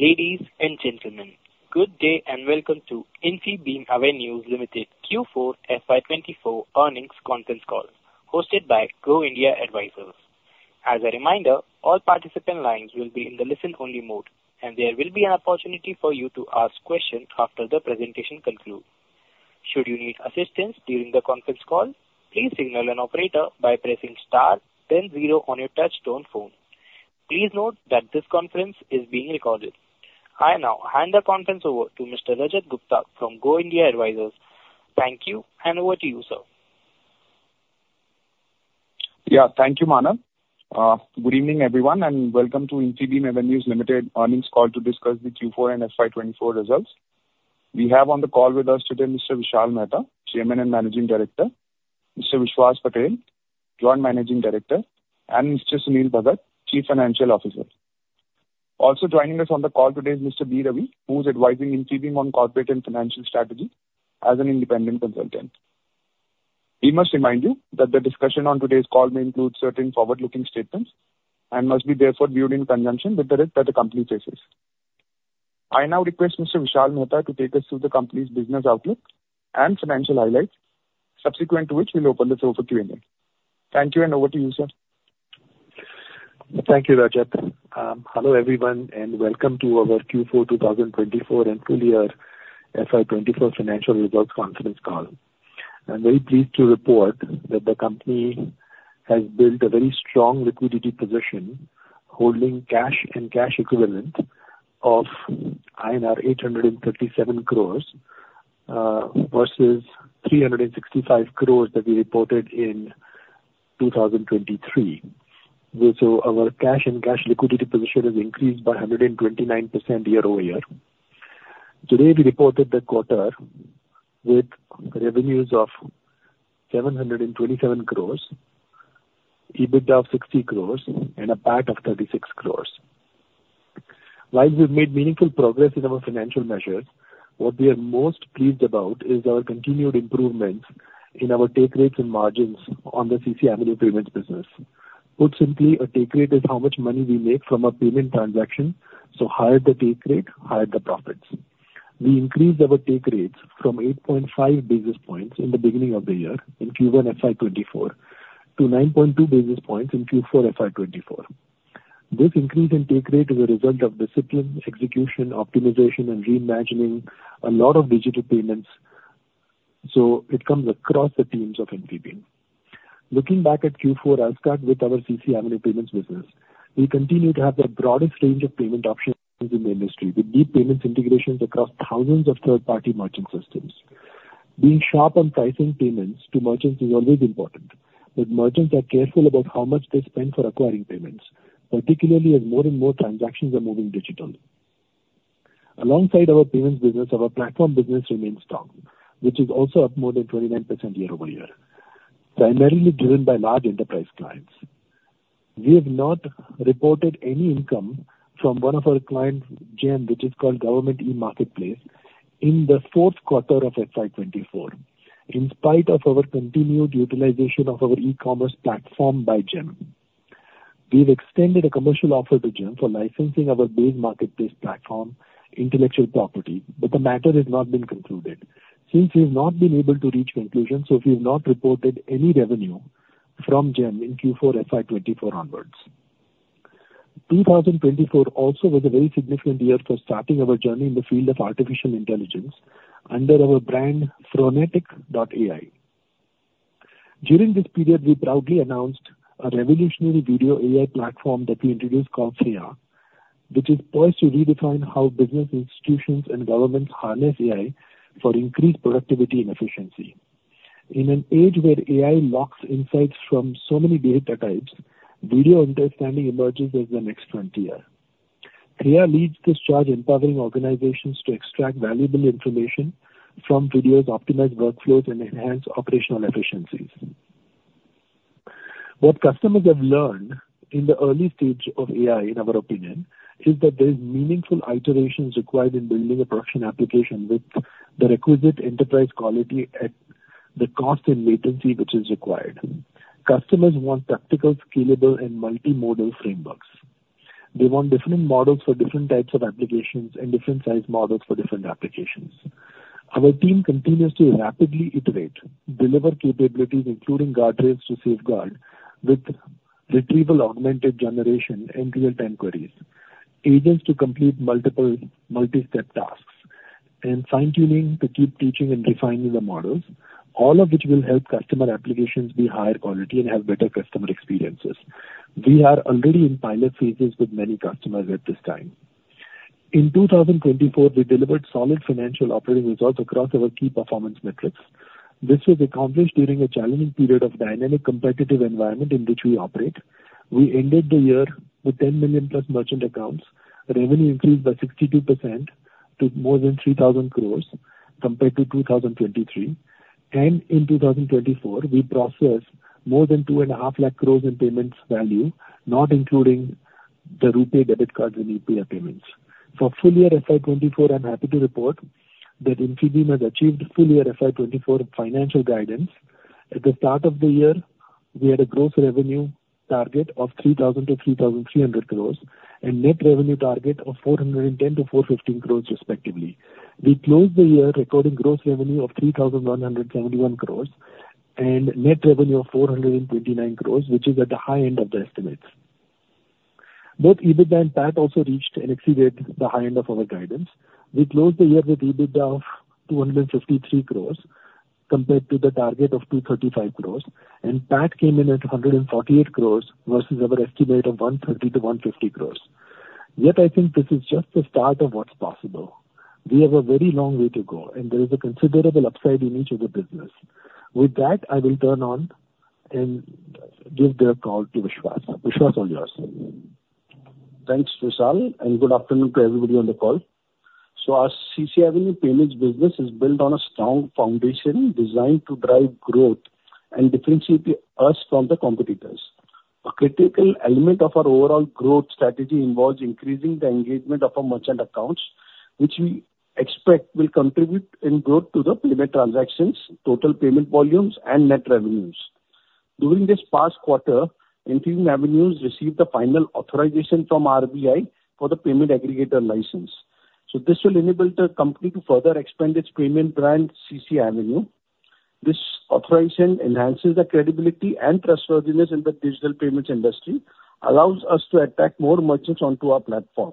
Ladies and gentlemen, good day, and welcome to Infibeam Avenues Limited Q4 FY 2024 Earnings Conference Call, hosted by Go India Advisors. As a reminder, all participant lines will be in the listen-only mode, and there will be an opportunity for you to ask questions after the presentation concludes. Should you need assistance during the conference call, please signal an operator by pressing star, then zero on your touchtone phone. Please note that this conference is being recorded. I now hand the conference over to Mr. Rajat Gupta from Go India Advisors. Thank you, and over to you, sir. Yeah. Thank you, Manav. Good evening, everyone, and welcome to Infibeam Avenues Limited earnings call to discuss the Q4 and FY 2024 results. We have on the call with us today Mr. Vishal Mehta, Chairman and Managing Director, Mr. Vishwas Patel, Joint Managing Director, and Mr. Sunil Bhagat, Chief Financial Officer. Also joining us on the call today is Mr. B. Ravi, who's advising Infibeam on corporate and financial strategy as an independent consultant. We must remind you that the discussion on today's call may include certain forward-looking statements and must be therefore viewed in conjunction with the risk that the company faces. I now request Mr. Vishal Mehta to take us through the company's business outlook and financial highlights, subsequent to which we'll open the floor for Q&A. Thank you, and over to you, sir. Thank you, Rajat. Hello, everyone, and welcome to our Q4 2024 and full year FY 2024 financial results conference call. I'm very pleased to report that the company has built a very strong liquidity position, holding cash and cash equivalent of INR 837 crores versus 365 crores that we reported in 2023. So our cash and cash liquidity position has increased by 129% year-over-year. Today, we reported the quarter with revenues of 727 crores, EBITDA of 60 crores and a PAT of 36 crores. While we've made meaningful progress in our financial measures, what we are most pleased about is our continued improvement in our take rates and margins on the CCAvenue payments business. Put simply, a take rate is how much money we make from a payment transaction, so higher the take rate, higher the profits. We increased our take rates from 8.5 basis points in the beginning of the year in Q1 FY 2024 to 9.2 basis points in Q4 FY 2024. This increase in take rate is a result of discipline, execution, optimization, and reimagining a lot of digital payments, so it comes across the teams of Infibeam. Looking back at Q4, I'll start with our CCAvenue payments business. We continue to have the broadest range of payment options in the industry, with deep payments integrations across thousands of third-party merchant systems. Being sharp on pricing payments to merchants is always important, but merchants are careful about how much they spend for acquiring payments, particularly as more and more transactions are moving digital. Alongside our payments business, our platform business remains strong, which is also up more than 29% year-over-year, primarily driven by large enterprise clients. We have not reported any income from one of our clients, GeM, which is called Government e Marketplace, in the fourth quarter of FY 2024, in spite of our continued utilization of our e-commerce platform by GeM. We've extended a commercial offer to GeM for licensing our base marketplace platform intellectual property, but the matter has not been concluded. Since we've not been able to reach conclusion, so we've not reported any revenue from GeM in Q4 FY 2024 onwards. 2024 also was a very significant year for starting our journey in the field of artificial intelligence under our brand, Phronetic.AI. During this period, we proudly announced a revolutionary video AI platform that we introduced called Theia, which is poised to redefine how business institutions and governments harness AI for increased productivity and efficiency. In an age where AI lacks insights from so many data types, video understanding emerges as the next frontier. Theia leads this charge, empowering organizations to extract valuable information from videos, optimize workflows, and enhance operational efficiencies. What customers have learned in the early stage of AI, in our opinion, is that there's meaningful iterations required in building a production application with the requisite enterprise quality at the cost and latency which is required. Customers want practical, scalable and multimodal frameworks. They want different models for different types of applications and different size models for different applications. Our team continues to rapidly iterate, deliver capabilities, including guardrails to safeguard, with retrieval, augmented generation, end-to-end queries, agents to complete multiple multi-step tasks, and fine-tuning to keep teaching and refining the models, all of which will help customer applications be higher quality and have better customer experiences. We are already in pilot phases with many customers at this time. In 2024, we delivered solid financial operating results across our key performance metrics. This was accomplished during a challenging period of dynamic competitive environment in which we operate. We ended the year with 10 million-plus merchant accounts. Revenue increased 62% to more than 3,000 crore compared to 2023. In 2024, we processed more than 250,000 crore in payments value, not including the RuPay debit cards and UPI payments. For full year FY 2024, I'm happy to report that Infibeam has achieved full year FY 2024 financial guidance. At the start of the year, we had a gross revenue target of 3,000-3,300 crore, and net revenue target of 410-415 crore respectively. We closed the year recording gross revenue of 3,171 crore, and net revenue of 429 crore, which is at the high end of the estimates. Both EBITDA and PAT also reached and exceeded the high end of our guidance. We closed the year with EBITDA of 253 crore, compared to the target of 235 crore, and PAT came in at 148 crore versus our estimate of 130-150 crore. Yet, I think this is just the start of what's possible. We have a very long way to go, and there is a considerable upside in each of the business. With that, I will turn on and give the call to Vishwas. Vishwas, all yours. Thanks, Vishal, and good afternoon to everybody on the call. Our CCAvenue payments business is built on a strong foundation designed to drive growth and differentiate us from the competitors. A critical element of our overall growth strategy involves increasing the engagement of our merchant accounts, which we expect will contribute in growth to the payment transactions, total payment volumes, and net revenues. During this past quarter, Infibeam Avenues received the final authorization from RBI for the payment aggregator license. This will enable the company to further expand its payment brand, CCAvenue. This authorization enhances the credibility and trustworthiness in the digital payments industry. It allows us to attract more merchants onto our platform.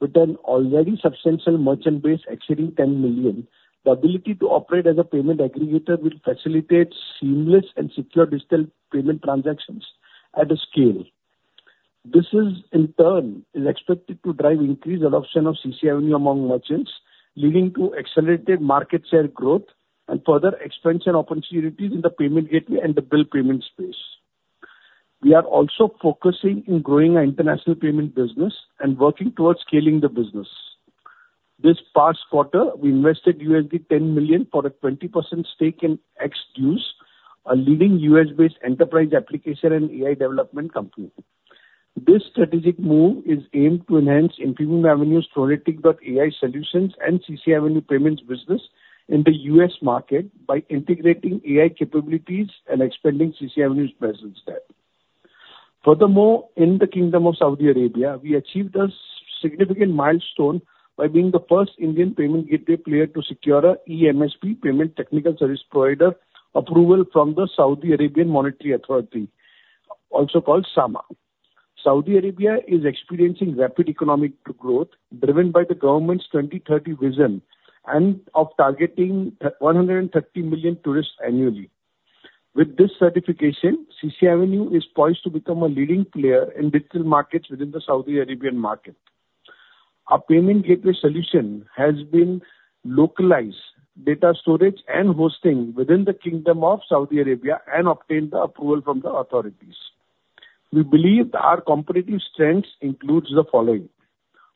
With an already substantial merchant base exceeding 10 million, the ability to operate as a payment aggregator will facilitate seamless and secure digital payment transactions at a scale. This, in turn, is expected to drive increased adoption of CCAvenue among merchants, leading to accelerated market share growth and further expansion opportunities in the payment gateway and the bill payment space. We are also focusing in growing our international payment business and working towards scaling the business. This past quarter, we invested $10 million for a 20% stake in XDuce, a leading U.S.-based enterprise application and AI development company. This strategic move is aimed to enhance improving avenues, Phronetic.AI solutions, and CCAvenue payments business in the U.S. market by integrating AI capabilities and expanding CCAvenue's presence there. Furthermore, in the Kingdom of Saudi Arabia, we achieved a significant milestone by being the first Indian payment gateway player to secure a PTSP Payment Technical Service Provider approval from the Saudi Arabian Monetary Authority, also called SAMA. Saudi Arabia is experiencing rapid economic growth, driven by the government's 2030 Vision and of targeting one hundred and thirty million tourists annually. With this certification, CCAvenue is poised to become a leading player in digital markets within the Saudi Arabian market. Our payment gateway solution has been localized, data storage and hosting within the Kingdom of Saudi Arabia, and obtained the approval from the authorities. We believe our competitive strengths includes the following: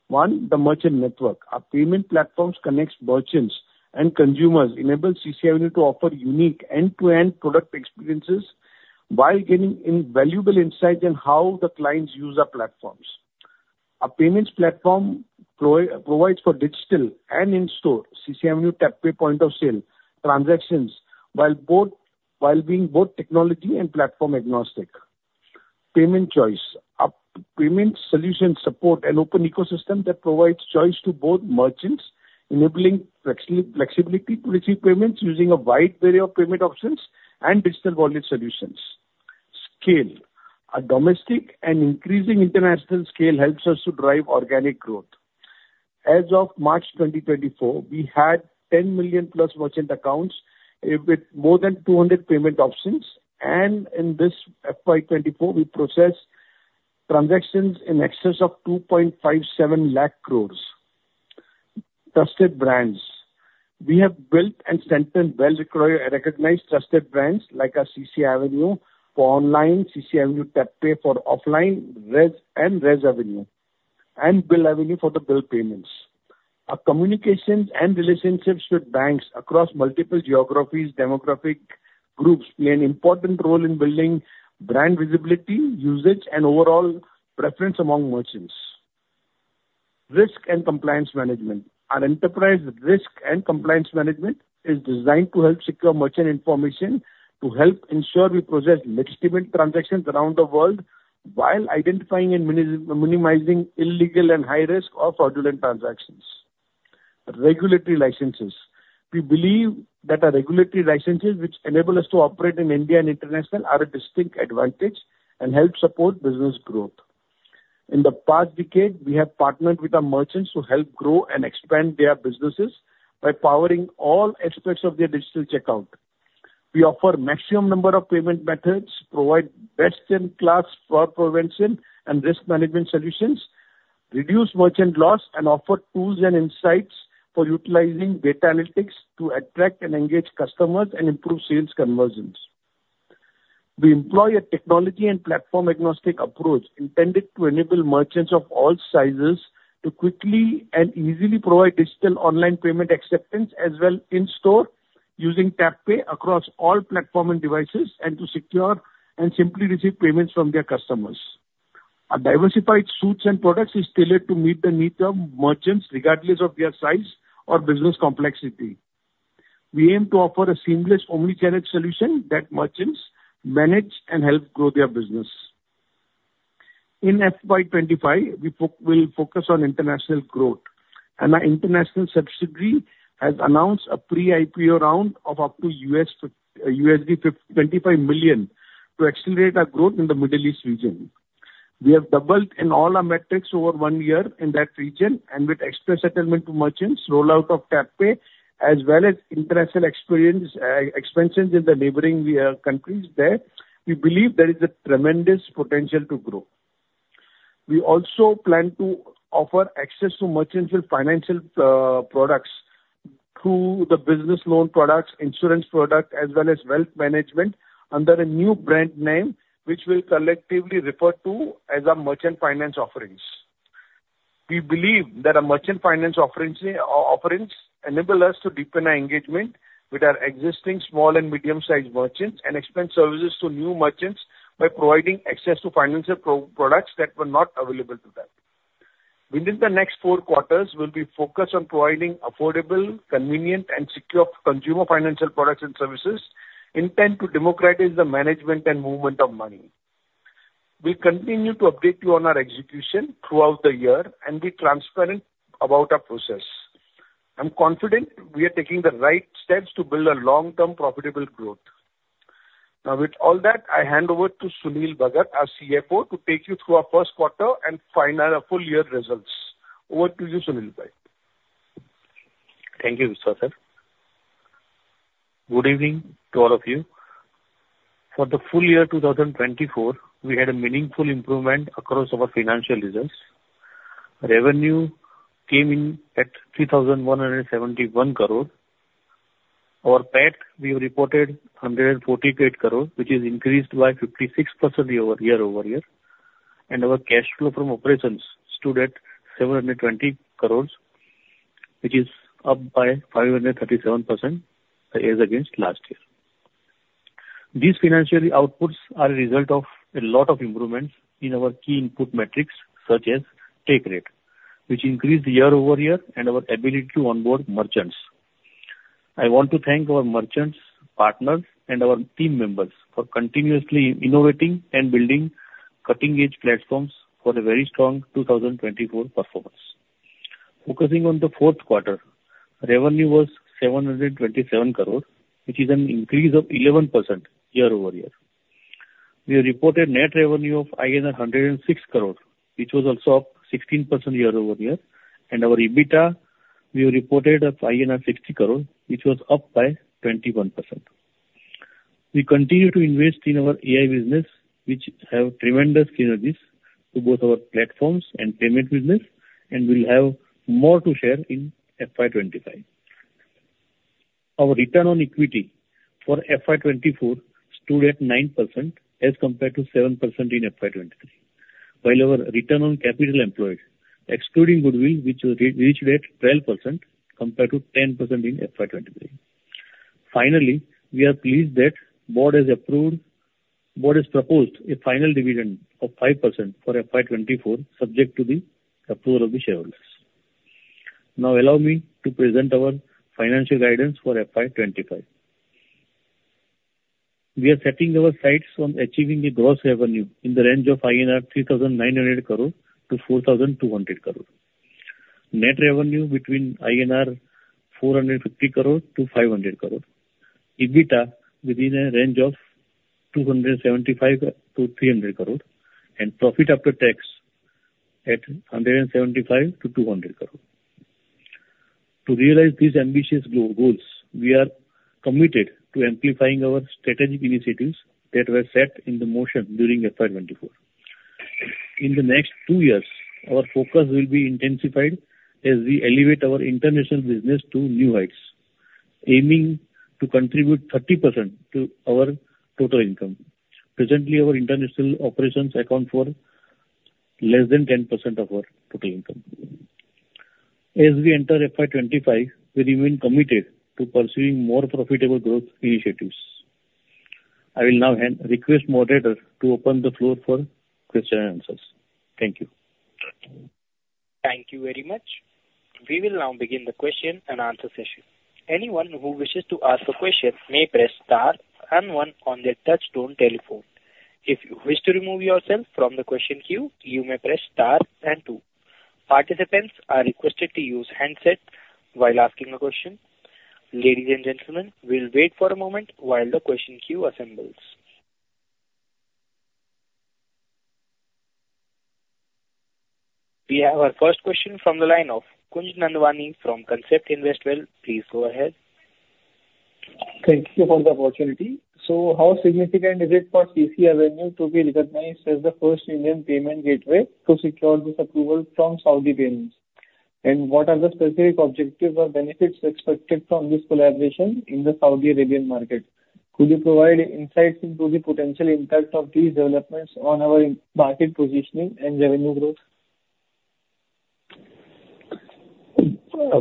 One, the merchant network. Our payment platforms connects merchants and consumers, enables CCAvenue to offer unique end-to-end product experiences while gaining invaluable insights on how the clients use our platforms. Our payments platform provides for digital and in-store CCAvenue TapPay point of sale transactions, while being both technology and platform agnostic. Payment choice. Our payment solutions support an open ecosystem that provides choice to both merchants, enabling flexibility to receive payments using a wide variety of payment options and digital wallet solutions. Scale. Our domestic and increasing international scale helps us to drive organic growth. As of March 2024, we had 10 million+ merchant accounts with more than 200 payment options, and in this FY 2024, we processed transactions in excess of 257,000 crore. Trusted brands. We have built and centered well-recognized trusted brands like our CCAvenue for online, CCAvenue TapPay for offline, ResAvenue, and BillAvenue for the bill payments. Our communications and relationships with banks across multiple geographies, demographic groups, play an important role in building brand visibility, usage, and overall preference among merchants. Risk and compliance management. Our enterprise risk and compliance management is designed to help secure merchant information, to help ensure we process legitimate transactions around the world, while identifying and minimizing illegal and high-risk or fraudulent transactions. Regulatory licenses. We believe that our regulatory licenses, which enable us to operate in India and internationally, are a distinct advantage and help support business growth. In the past decade, we have partnered with our merchants to help grow and expand their businesses by powering all aspects of their digital checkout. We offer maximum number of payment methods, provide best-in-class fraud prevention and risk management solutions, reduce merchant loss, and offer tools and insights for utilizing data analytics to attract and engage customers and improve sales conversions. We employ a technology and platform-agnostic approach intended to enable merchants of all sizes to quickly and easily provide digital online payment acceptance, as well in store, using tap pay across all platform and devices, and to secure and simply receive payments from their customers.... Our diversified suites and products is tailored to meet the needs of merchants, regardless of their size or business complexity. We aim to offer a seamless omnichannel solution that merchants manage and help grow their business. In FY 2025, we'll focus on international growth, and our international subsidiary has announced a pre-IPO round of up to $25 million to accelerate our growth in the Middle East region. We have doubled in all our metrics over one year in that region, and with express settlement to merchants, rollout of tap pay, as well as international experience, expansions in the neighboring, countries there, we believe there is a tremendous potential to grow. We also plan to offer access to merchant with financial, products through the business loan products, insurance product, as well as wealth management under a new brand name, which we'll collectively refer to as our merchant finance offerings. We believe that our merchant finance offerings, offerings enable us to deepen our engagement with our existing small and medium-sized merchants and expand services to new merchants by providing access to financial products that were not available to them. Within the next four quarters, we'll be focused on providing affordable, convenient, and secure consumer financial products and services, intent to democratize the management and movement of money. We'll continue to update you on our execution throughout the year, and be transparent about our process. I'm confident we are taking the right steps to build a long-term profitable growth. Now, with all that, I hand over to Sunil Bhagat, our CFO, to take you through our first quarter and final full year results. Over to you, Sunil Bhagat. Thank you, Vishal sir. Good evening to all of you. For the full year 2024, we had a meaningful improvement across our financial results. Revenue came in at 3,171 crore rupees. Our PAT, we reported 148 crore, which is increased by 56% year-over-year, and our cash flow from operations stood at 720 crore, which is up by 537% as against last year. These financial outputs are a result of a lot of improvements in our key input metrics, such as take rate, which increased year-over-year, and our ability to onboard merchants. I want to thank our merchants, partners, and our team members for continuously innovating and building cutting-edge platforms for a very strong 2024 performance. Focusing on the fourth quarter, revenue was 727 crore, which is an increase of 11% year-over-year. We reported net revenue of 106 crore, which was also up 16% year-over-year, and our EBITDA, we reported of INR 60 crore, which was up by 21%. We continue to invest in our AI business, which have tremendous synergies to both our platforms and payment business, and we'll have more to share in FY 2025. Our return on equity for FY 2024 stood at 9% as compared to 7% in FY 2023. While our return on capital employed, excluding goodwill, which reached at 12% compared to 10% in FY 2023. Finally, we are pleased that board has approved... Board has proposed a final dividend of 5% for FY 2024, subject to the approval of the shareholders. Now, allow me to present our financial guidance for FY 2025. We are setting our sights on achieving a gross revenue in the range of 3,900 crore-4,200 crore. Net revenue between INR 450 crore-500 crore. EBITDA within a range of 275 crore-300 crore, and profit after tax at 175 crore-200 crore. To realize these ambitious goals, we are committed to amplifying our strategic initiatives that were set into motion during FY 2024. In the next two years, our focus will be intensified as we elevate our international business to new heights, aiming to contribute 30% to our total income. Presently, our international operations account for less than 10% of our total income. As we enter FY 2025, we remain committed to pursuing more profitable growth initiatives. I will now hand, request moderator to open the floor for question and answers. Thank you. Thank you very much. We will now begin the question and answer session. Anyone who wishes to ask a question may press star and one on their touchtone telephone. If you wish to remove yourself from the question queue, you may press star and two. Participants are requested to use handset while asking a question. Ladies and gentlemen, we'll wait for a moment while the question queue assembles. We have our first question from the line of Kunj Nandwani from Concept InvestWell. Please go ahead. Thank you for the opportunity. So how significant is it for CCAvenue to be recognized as the first Indian payment gateway to secure this approval from Saudi Payments? And what are the specific objectives or benefits expected from this collaboration in the Saudi Arabian market? Could you provide insights into the potential impact of these developments on our market positioning and revenue growth?...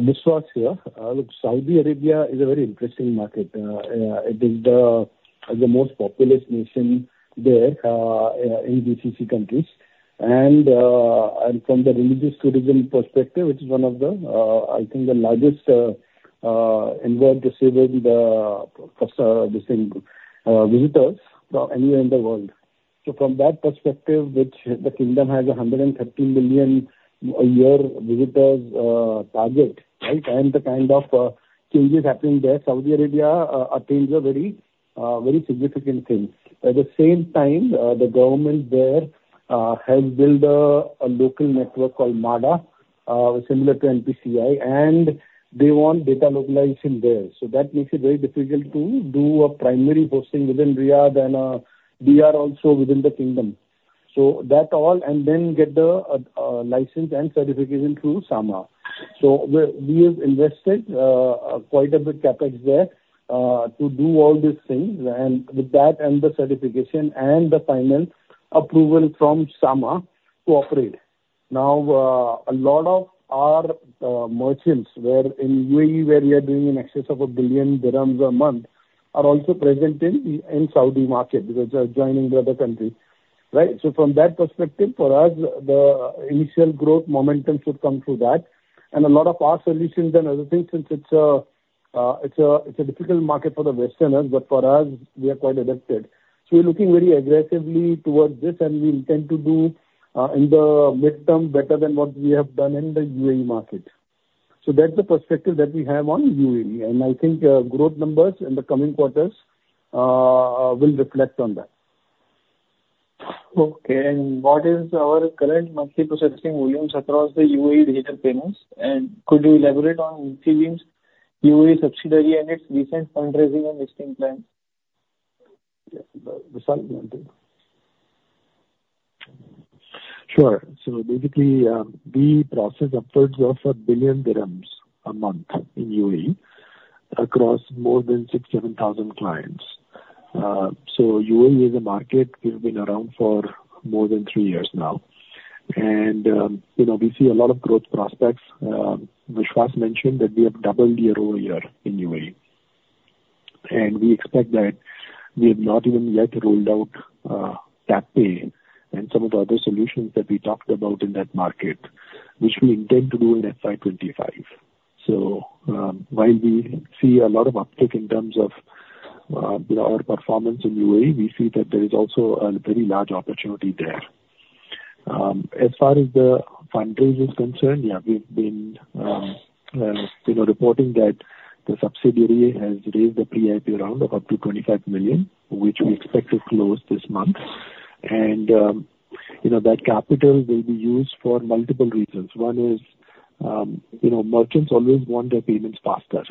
Vishwas here. Look, Saudi Arabia is a very interesting market. It is the most populous nation there in GCC countries. And from the religious tourism perspective, it's one of the, I think the largest inward receiving the visitors anywhere in the world. So from that perspective, which the kingdom has 130 million a year visitors target, right? And the kind of changes happening there, Saudi Arabia attains a very significant thing. At the same time, the government there has built a local network called MADA, similar to NPCI, and they want data localized in there. So that makes it very difficult to do a primary hosting within Riyadh and we are also within the kingdom. So that all, and then get the license and certification through SAMA. So we have invested quite a bit of CapEx there to do all these things, and with that and the certification and the final approval from SAMA to operate. Now, a lot of our merchants were in U.A.E., where we are doing in excess of 1 billion dirhams a month, are also present in Saudi market because they're joining the other country, right? So from that perspective, for us, the initial growth momentum should come through that. And a lot of our solutions and other things, since it's a difficult market for the Westerners, but for us, we are quite adapted. So we're looking very aggressively towards this, and we intend to do in the midterm better than what we have done in the U.A.E. market. So that's the perspective that we have on U.A.E., and I think growth numbers in the coming quarters will reflect on that. Okay. And what is our current monthly processing volumes across the U.A.E. retail payments? And could you elaborate on PayU's U.A.E. subsidiary and its recent fundraising and listing plans? Yeah. Vishwas, you want to? Sure. So basically, we process upwards of 1 billion dirhams a month in U.A.E. across more than 6,000-7,000 clients. So U.A.E is a market, we've been around for more than three years now, and, you know, we see a lot of growth prospects. Vishwas mentioned that we have doubled year-over-year in U.A.E., and we expect that we have not even yet rolled out TapPay and some of the other solutions that we talked about in that market, which we intend to do in FY 2025. So, while we see a lot of uptick in terms of, you know, our performance in U.A.E., we see that there is also a very large opportunity there. As far as the fundraising is concerned, yeah, we've been, you know, reporting that the subsidiary has raised a pre-IP round of up to $25 million, which we expect to close this month. And, you know, that capital will be used for multiple reasons. One is, you know, merchants always want their payments faster.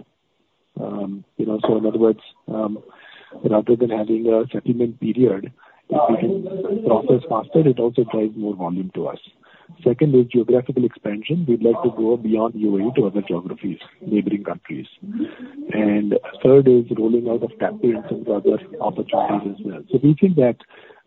You know, so in other words, rather than having a settlement period, if we can process faster, it also drives more volume to us. Second is geographical expansion. We'd like to go beyond U.A.E. to other geographies, neighboring countries. And third is rolling out of tap pay and some of the other opportunities as well. So we think that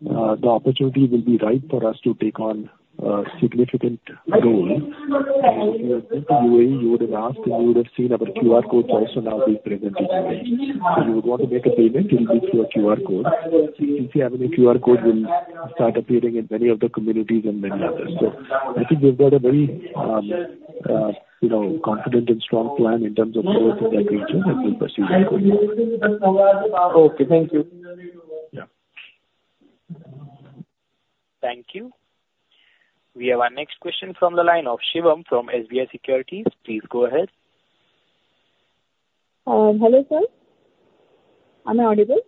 the opportunity will be right for us to take on a significant role. In U.A.E., you would have asked, and you would have seen our QR codes also now being presented. So you would want to make a payment, it will give you a QR code. You see, having a QR code will start appearing in many of the communities and many others. So I think we've got a very, you know, confident and strong plan in terms of growth in that region, and we'll pursue it. Okay, thank you. Yeah. Thank you. We have our next question from the line of Shivam from SBI Securities. Please go ahead. Hello, sir. Am I audible?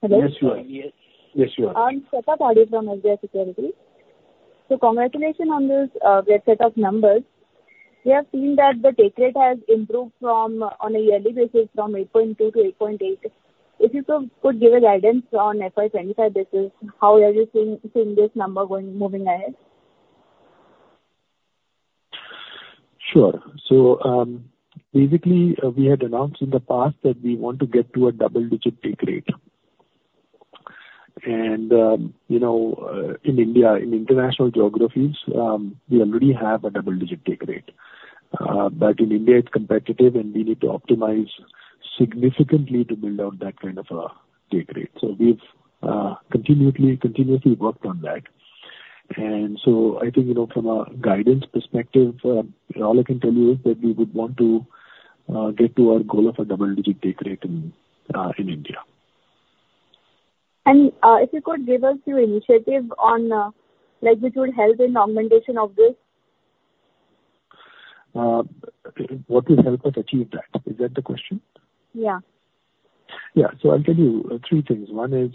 Hello? Yes, sure. Yes, you are. I'm Sweta Padhi from SBI Securities. Congratulations on those, great set of numbers. We have seen that the take rate has improved from, on a yearly basis, from 8.2 to 8.8. If you could give a guidance on FY 2025 basis, how are you seeing, seeing this number going, moving ahead? Sure. So, basically, we had announced in the past that we want to get to a double-digit take rate. And, you know, in India, in international geographies, we already have a double-digit take rate. But in India, it's competitive, and we need to optimize significantly to build out that kind of a take rate. So we've continuously worked on that. And so I think, you know, from a guidance perspective, all I can tell you is that we would want to get to our goal of a double-digit take rate in India. If you could give us your initiative on, like which would help in augmentation of this? What will help us achieve that? Is that the question? Yeah. Yeah. So I'll tell you three things. One is,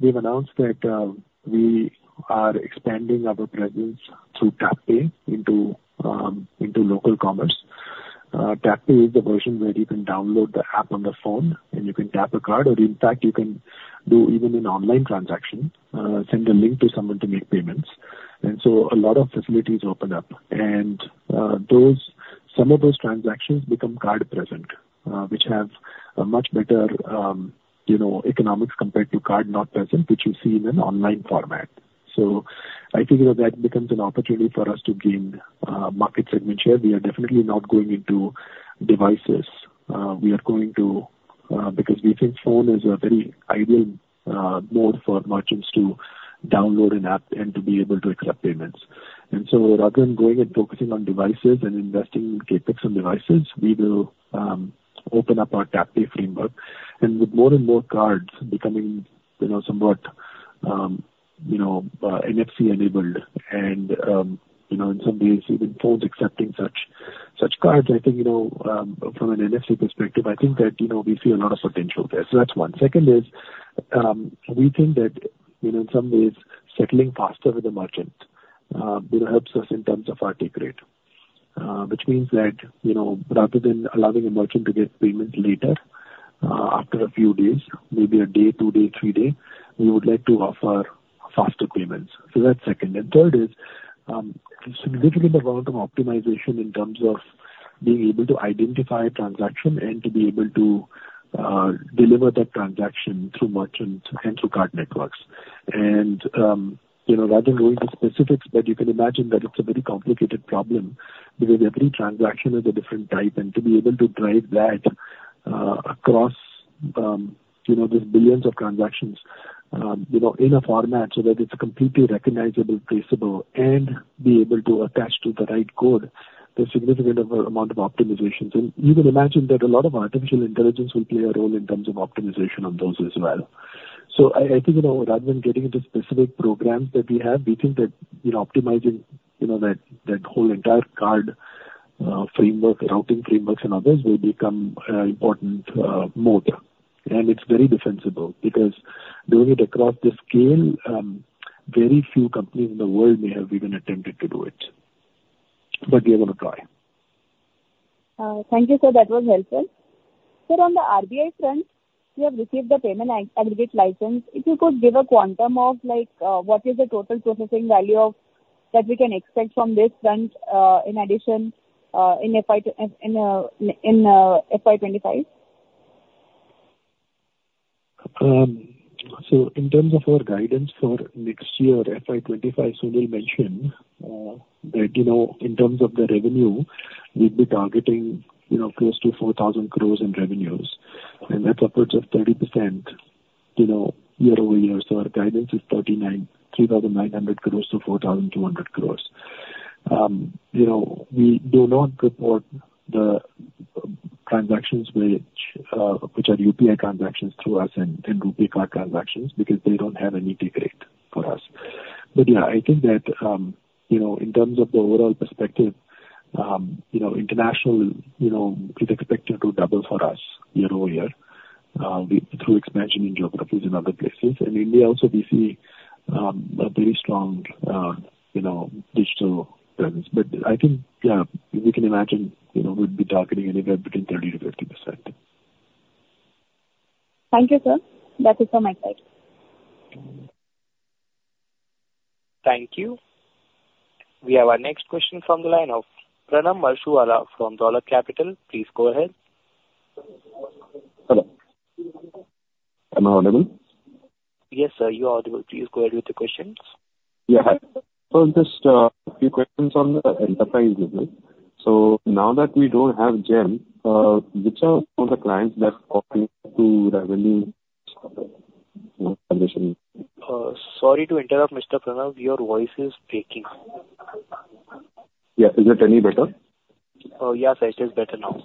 we've announced that we are expanding our presence through TapPay into into local commerce. TapPay is the version where you can download the app on the phone, and you can tap a card, or in fact, you can do even an online transaction, send a link to someone to make payments. And so a lot of facilities opened up, and, some of those transactions become card present, which have a much better, you know, economics compared to card not present, which you see in an online format. So I think, you know, that becomes an opportunity for us to gain market segment share. We are definitely not going into devices. We are going to, because we think phone is a very ideal mode for merchants to download an app and to be able to accept payments. And so rather than going and focusing on devices and investing CapEx on devices, we will open up our TapPay framework. And with more and more cards becoming, you know, somewhat NFC-enabled, and, you know, in some ways, even phones accepting such cards, I think, you know, from an NFC perspective, I think that, you know, we see a lot of potential there. So that's one. Second is, we think that, you know, in some ways, settling faster with the merchant, you know, helps us in terms of our take rate. Which means that, you know, rather than allowing a merchant to get payment later, after a few days, maybe a day, two-day, three-day, we would like to offer faster payments. So that's second. And third is, significant amount of optimization in terms of being able to identify a transaction and to be able to, deliver that transaction through merchants and through card networks. And, you know, rather than going into specifics, but you can imagine that it's a very complicated problem, because every transaction is a different type, and to be able to drive that, across, you know, these billions of transactions, you know, in a format so that it's completely recognizable, traceable, and be able to attach to the right code, the significant amount of optimizations. You can imagine that a lot of artificial intelligence will play a role in terms of optimization of those as well. So I think, you know, rather than getting into specific programs that we have, we think that, you know, optimizing, you know, that whole entire card framework, routing frameworks and others will become an important mode. And it's very defensible because doing it across this scale, very few companies in the world may have even attempted to do it, but we are going to try. Thank you, sir. That was helpful. Sir, on the RBI front, you have received the payment aggregate license. If you could give a quantum of like what is the total processing value of that we can expect from this front, in addition, in FY 2025? So in terms of our guidance for next year, FY 2025, Sunil mentioned that, you know, in terms of the revenue, we'd be targeting, you know, close to 4,000 crore in revenues, and that's upwards of 30%, you know, year-over-year. So our guidance is 3,900 crore-4,200 crore. You know, we do not report the transactions which are UPI transactions through us and RuPay Card transactions, because they don't have a take rate for us. But yeah, I think that, you know, in terms of the overall perspective, you know, international, you know, is expected to double for us year-over-year through expansion in geographies and other places. In India also, we see a very strong, you know, digital presence. I think, yeah, you can imagine, you know, we'd be targeting anywhere between 30%-50%. Thank you, sir. That is from my side. Thank you. We have our next question from the line of Pranav Mashruwala from Dolat Capital. Please go ahead. Hello, am I audible? Yes, sir, you are audible. Please go ahead with your questions. Yeah. So just a few questions on the enterprise business. So now that we don't have GeM, which are all the clients that contribute to revenue? Sorry to interrupt, Mr. Pranav. Your voice is breaking. Yeah. Is it any better? Yes, it is better now.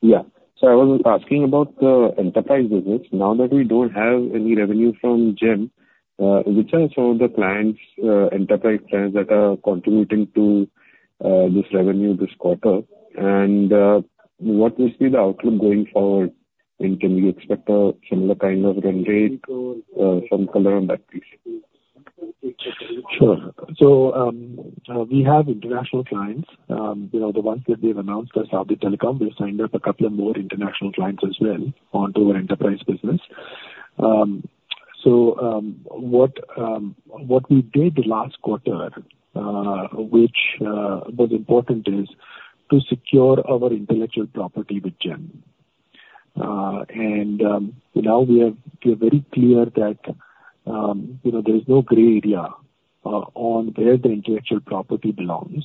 Yeah. So I was asking about the enterprise business. Now that we don't have any revenue from GeM, which are some of the clients, enterprise clients that are contributing to, this revenue this quarter? And, what will be the outlook going forward, and can we expect a similar kind of run rate? Some color on that, please. Sure. So, we have international clients. You know, the ones that we've announced are Saudi Telecom. We've signed up a couple of more international clients as well onto our enterprise business. So, what we did last quarter, which was important, is to secure our intellectual property with GeM. Now we are very clear that, you know, there is no gray area on where the intellectual property belongs.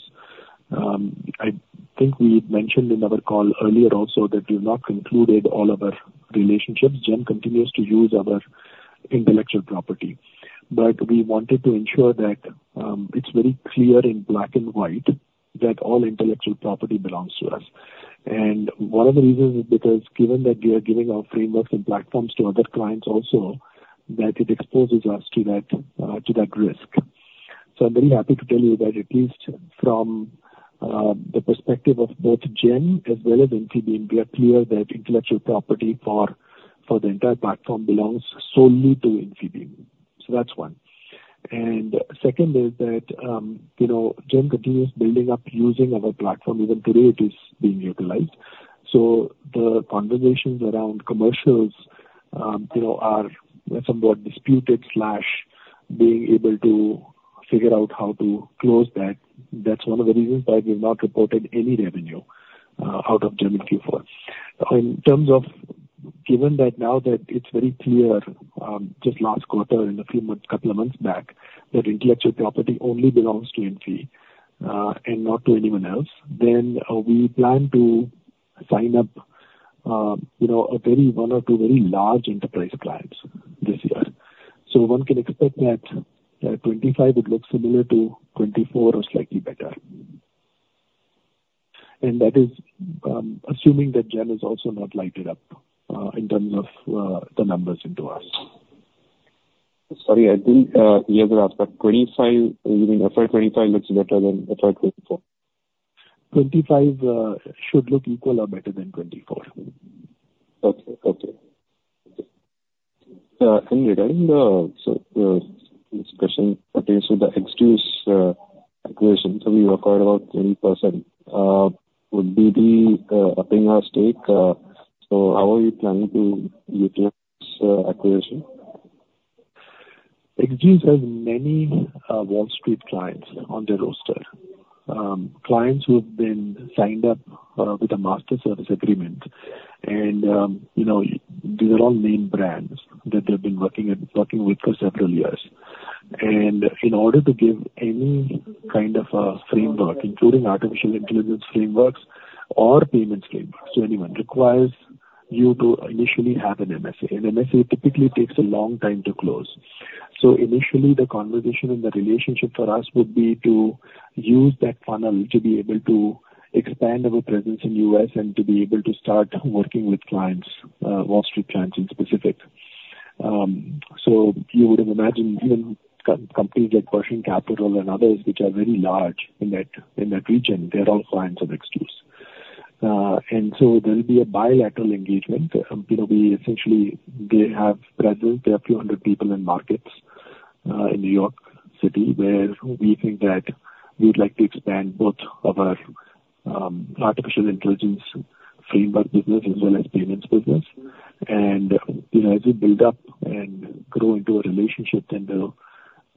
I think we mentioned in our call earlier also that we've not concluded all of our relationships. GeM continues to use our intellectual property, but we wanted to ensure that it's very clear in black and white that all intellectual property belongs to us. One of the reasons is because given that we are giving our frameworks and platforms to other clients also, that it exposes us to that risk. So I'm very happy to tell you that at least from the perspective of both GeM as well as Infibeam, we are clear that intellectual property for the entire platform belongs solely to Infibeam. So that's one. And second is that, you know, GeM continues building up, using our platform. Even today, it is being utilized. So the conversations around commercials, you know, are somewhat disputed, being able to figure out how to close that, that's one of the reasons why we've not reported any revenue out of GeM Q4. In terms of, given that now that it's very clear, just last quarter in a few months, couple of months back, that intellectual property only belongs to Infi, and not to anyone else, then, we plan to sign up, you know, a very one or two very large enterprise clients this year. So one can expect that, 2025 would look similar to 2024 or slightly better. And that is, assuming that GeM is also not lighted up, in terms of, the numbers into us. Sorry, I think, you have to ask that 2025, you mean FY 2025 looks better than FY 2024? 2025 should look equal or better than 2024. Okay. Okay. And regarding the, so, this question relates to the XDuce acquisition. So we acquired about 20%, would be the stake. So how are you planning to utilize acquisition? XDuce has many Wall Street clients on their roster. Clients who have been signed up with a master service agreement and, you know, these are all name brands that they've been working at, working with for several years. In order to give any kind of a framework, including artificial intelligence frameworks or payments frameworks to anyone, requires you to initially have an MSA. An MSA typically takes a long time to close. So initially, the conversation and the relationship for us would be to use that funnel to be able to expand our presence in the U.S. and to be able to start working with clients, Wall Street clients in specific. So you would have imagined even companies like Pershing Capital and others, which are very large in that, in that region, they're all clients of XDuce. and so there will be a bilateral engagement. You know, we essentially, they have presence. There are a few hundred people in markets, in New York City, where we think that we'd like to expand both of our, artificial intelligence framework business as well as payments business. And, you know, as we build up and grow into a relationship, then we'll,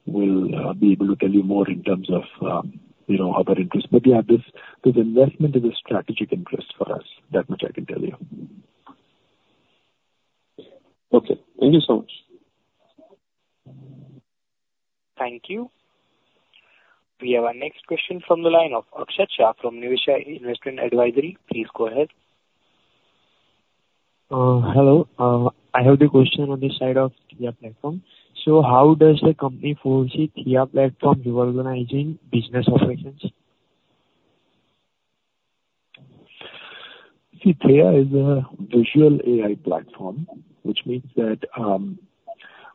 we'll, be able to tell you more in terms of, you know, other interests. But, yeah, this is investment in a strategic interest for us. That much I can tell you. Okay. Thank you so much. Thank you. We have our next question from the line of Akshat Shah from Niveshaay Investment Advisory. Please go ahead. Hello. I have a question on the side of Theia platform. So how does the company foresee Theia platform reorganizing business operations? See, Theia is a visual AI platform, which means that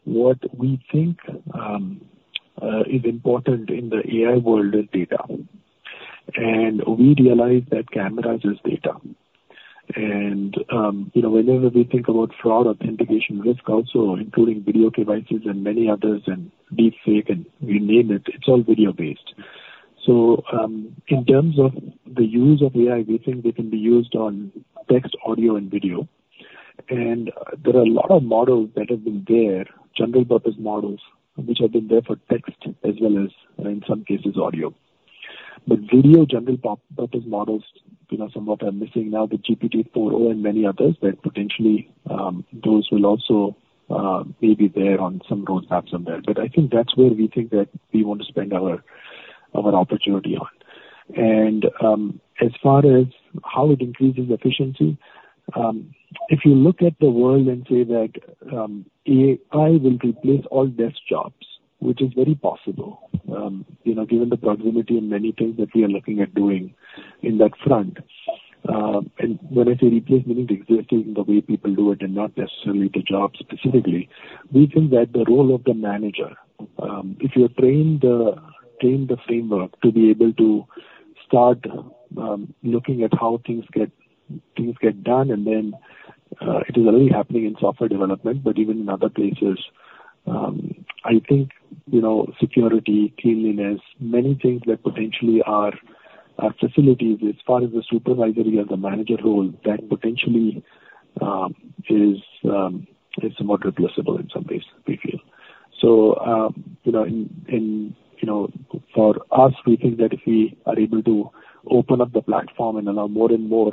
what we think is important in the AI world is data. And we realize that camera is data. And you know, whenever we think about fraud, authentication, risk also, including video devices and many others, and deep fake, and you name it, it's all video-based. So in terms of the use of AI, we think they can be used on text, audio, and video. And there are a lot of models that have been there, general purpose models, which have been there for text as well as, in some cases, audio. But video, general purpose models, you know, some of what I'm missing now, the GPT-4o and many others, that potentially those will also may be there on some roadmaps somewhere. But I think that's where we think that we want to spend our opportunity on. As far as how it increases efficiency, if you look at the world and say that AI will replace all desk jobs, which is very possible, you know, given the productivity and many things that we are looking at doing in that front. And when I say replacement, existing the way people do it, and not necessarily the job specifically, we think that the role of the manager, if you train the framework to be able to start looking at how things get done, and then it is already happening in software development, but even in other places, I think, you know, security, cleanliness, many things that potentially are facilities as far as the supervisory or the manager role, that potentially is somewhat replaceable in some ways, we feel. So, you know, in, in, you know, for us, we think that if we are able to open up the platform and allow more and more...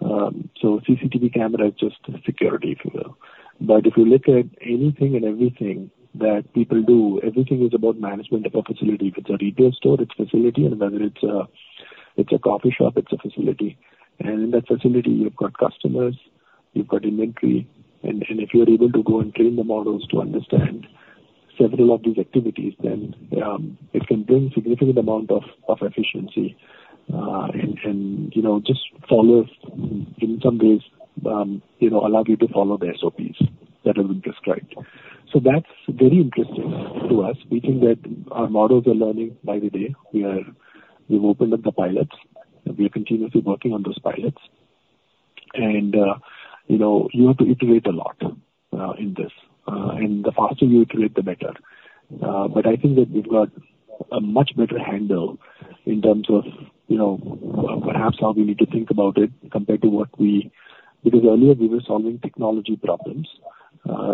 So CCTV camera is just security, if you will. But if you look at anything and everything that people do, everything is about management of a facility. If it's a retail store, it's a facility, and whether it's a coffee shop, it's a facility. And in that facility, you've got customers, you've got inventory, and if you're able to go and train the models to understand several of these activities, then it can bring significant amount of efficiency, and you know, just follow in some ways, you know, allow you to follow the SOPs that have been described. So that's very interesting to us. We think that our models are learning by the day. We've opened up the pilots, and we are continuously working on those pilots. And, you know, you have to iterate a lot, in this. And the faster you iterate, the better. But I think that we've got a much better handle in terms of, you know, perhaps how we need to think about it compared to what we-... Because earlier we were solving technology problems,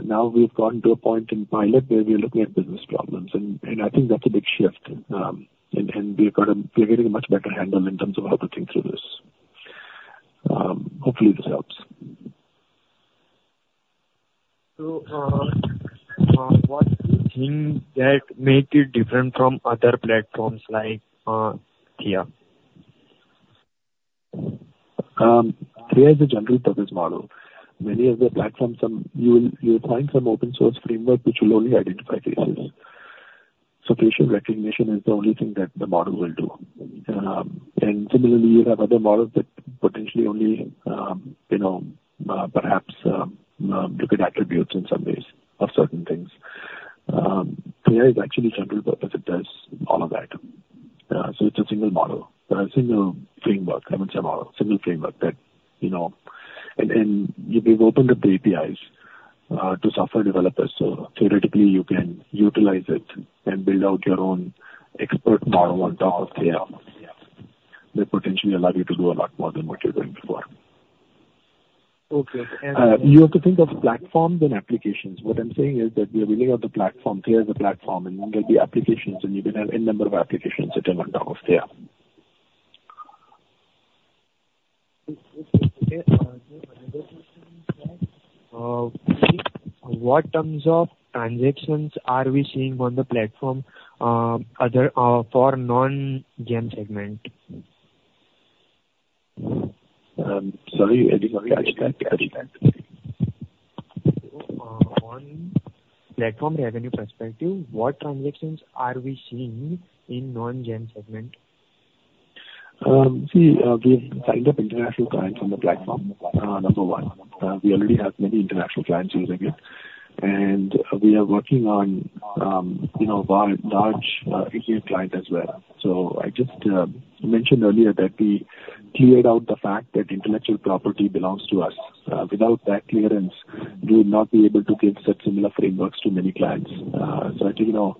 now we've gotten to a point in pilot where we are looking at business problems. And, and I think that's a big shift. And, and we've got a-- we're getting a much better handle in terms of how to think through this. Hopefully, this helps. So, what do you think that make it different from other platforms like, Theia? Theia is a general purpose model. Many of the platforms, some you'll find some open source framework which will only identify faces. So facial recognition is the only thing that the model will do. And similarly, you have other models that potentially only, you know, perhaps, look at attributes in some ways of certain things. Theia is actually general purpose. It does all of that. So it's a single model, a single framework, I would say model, single framework that, you know. And, and we've opened up the APIs to software developers. So theoretically, you can utilize it and build out your own expert model on top of Theia. That potentially allow you to do a lot more than what you're doing before. Okay, and- You have to think of platforms and applications. What I'm saying is that we are building out the platform. Theia is a platform, and then there'll be applications, and you can have N number of applications that are on top of Theia. Okay, another question is that, what terms of transactions are we seeing on the platform, other, for non-GeM segment? Sorry, can you repeat that? Can you repeat that? On platform revenue perspective, what transactions are we seeing in non-GeM segment? See, we have signed up international clients on the platform, number one. We already have many international clients using it, and we are working on, you know, one large, key client as well. So I just mentioned earlier that we cleared out the fact that intellectual property belongs to us. Without that clearance, we would not be able to give such similar frameworks to many clients. So, you know,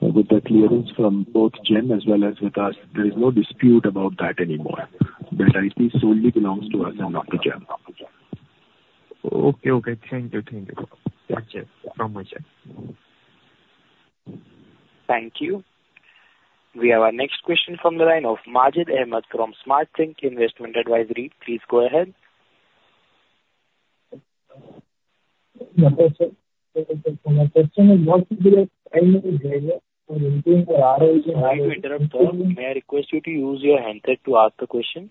with the clearance from both GeM as well as with us, there is no dispute about that anymore, that IP solely belongs to us and not to GeM. Okay, okay. Thank you. Thank you. Thank you so much, sir. Thank you. We have our next question from the line of Majid Ahamed from Smart Sync Investment Advisory. Please go ahead. Yeah, so my question is, what is the primary driver- Sorry to interrupt, sir. May I request you to use your handset to ask the question?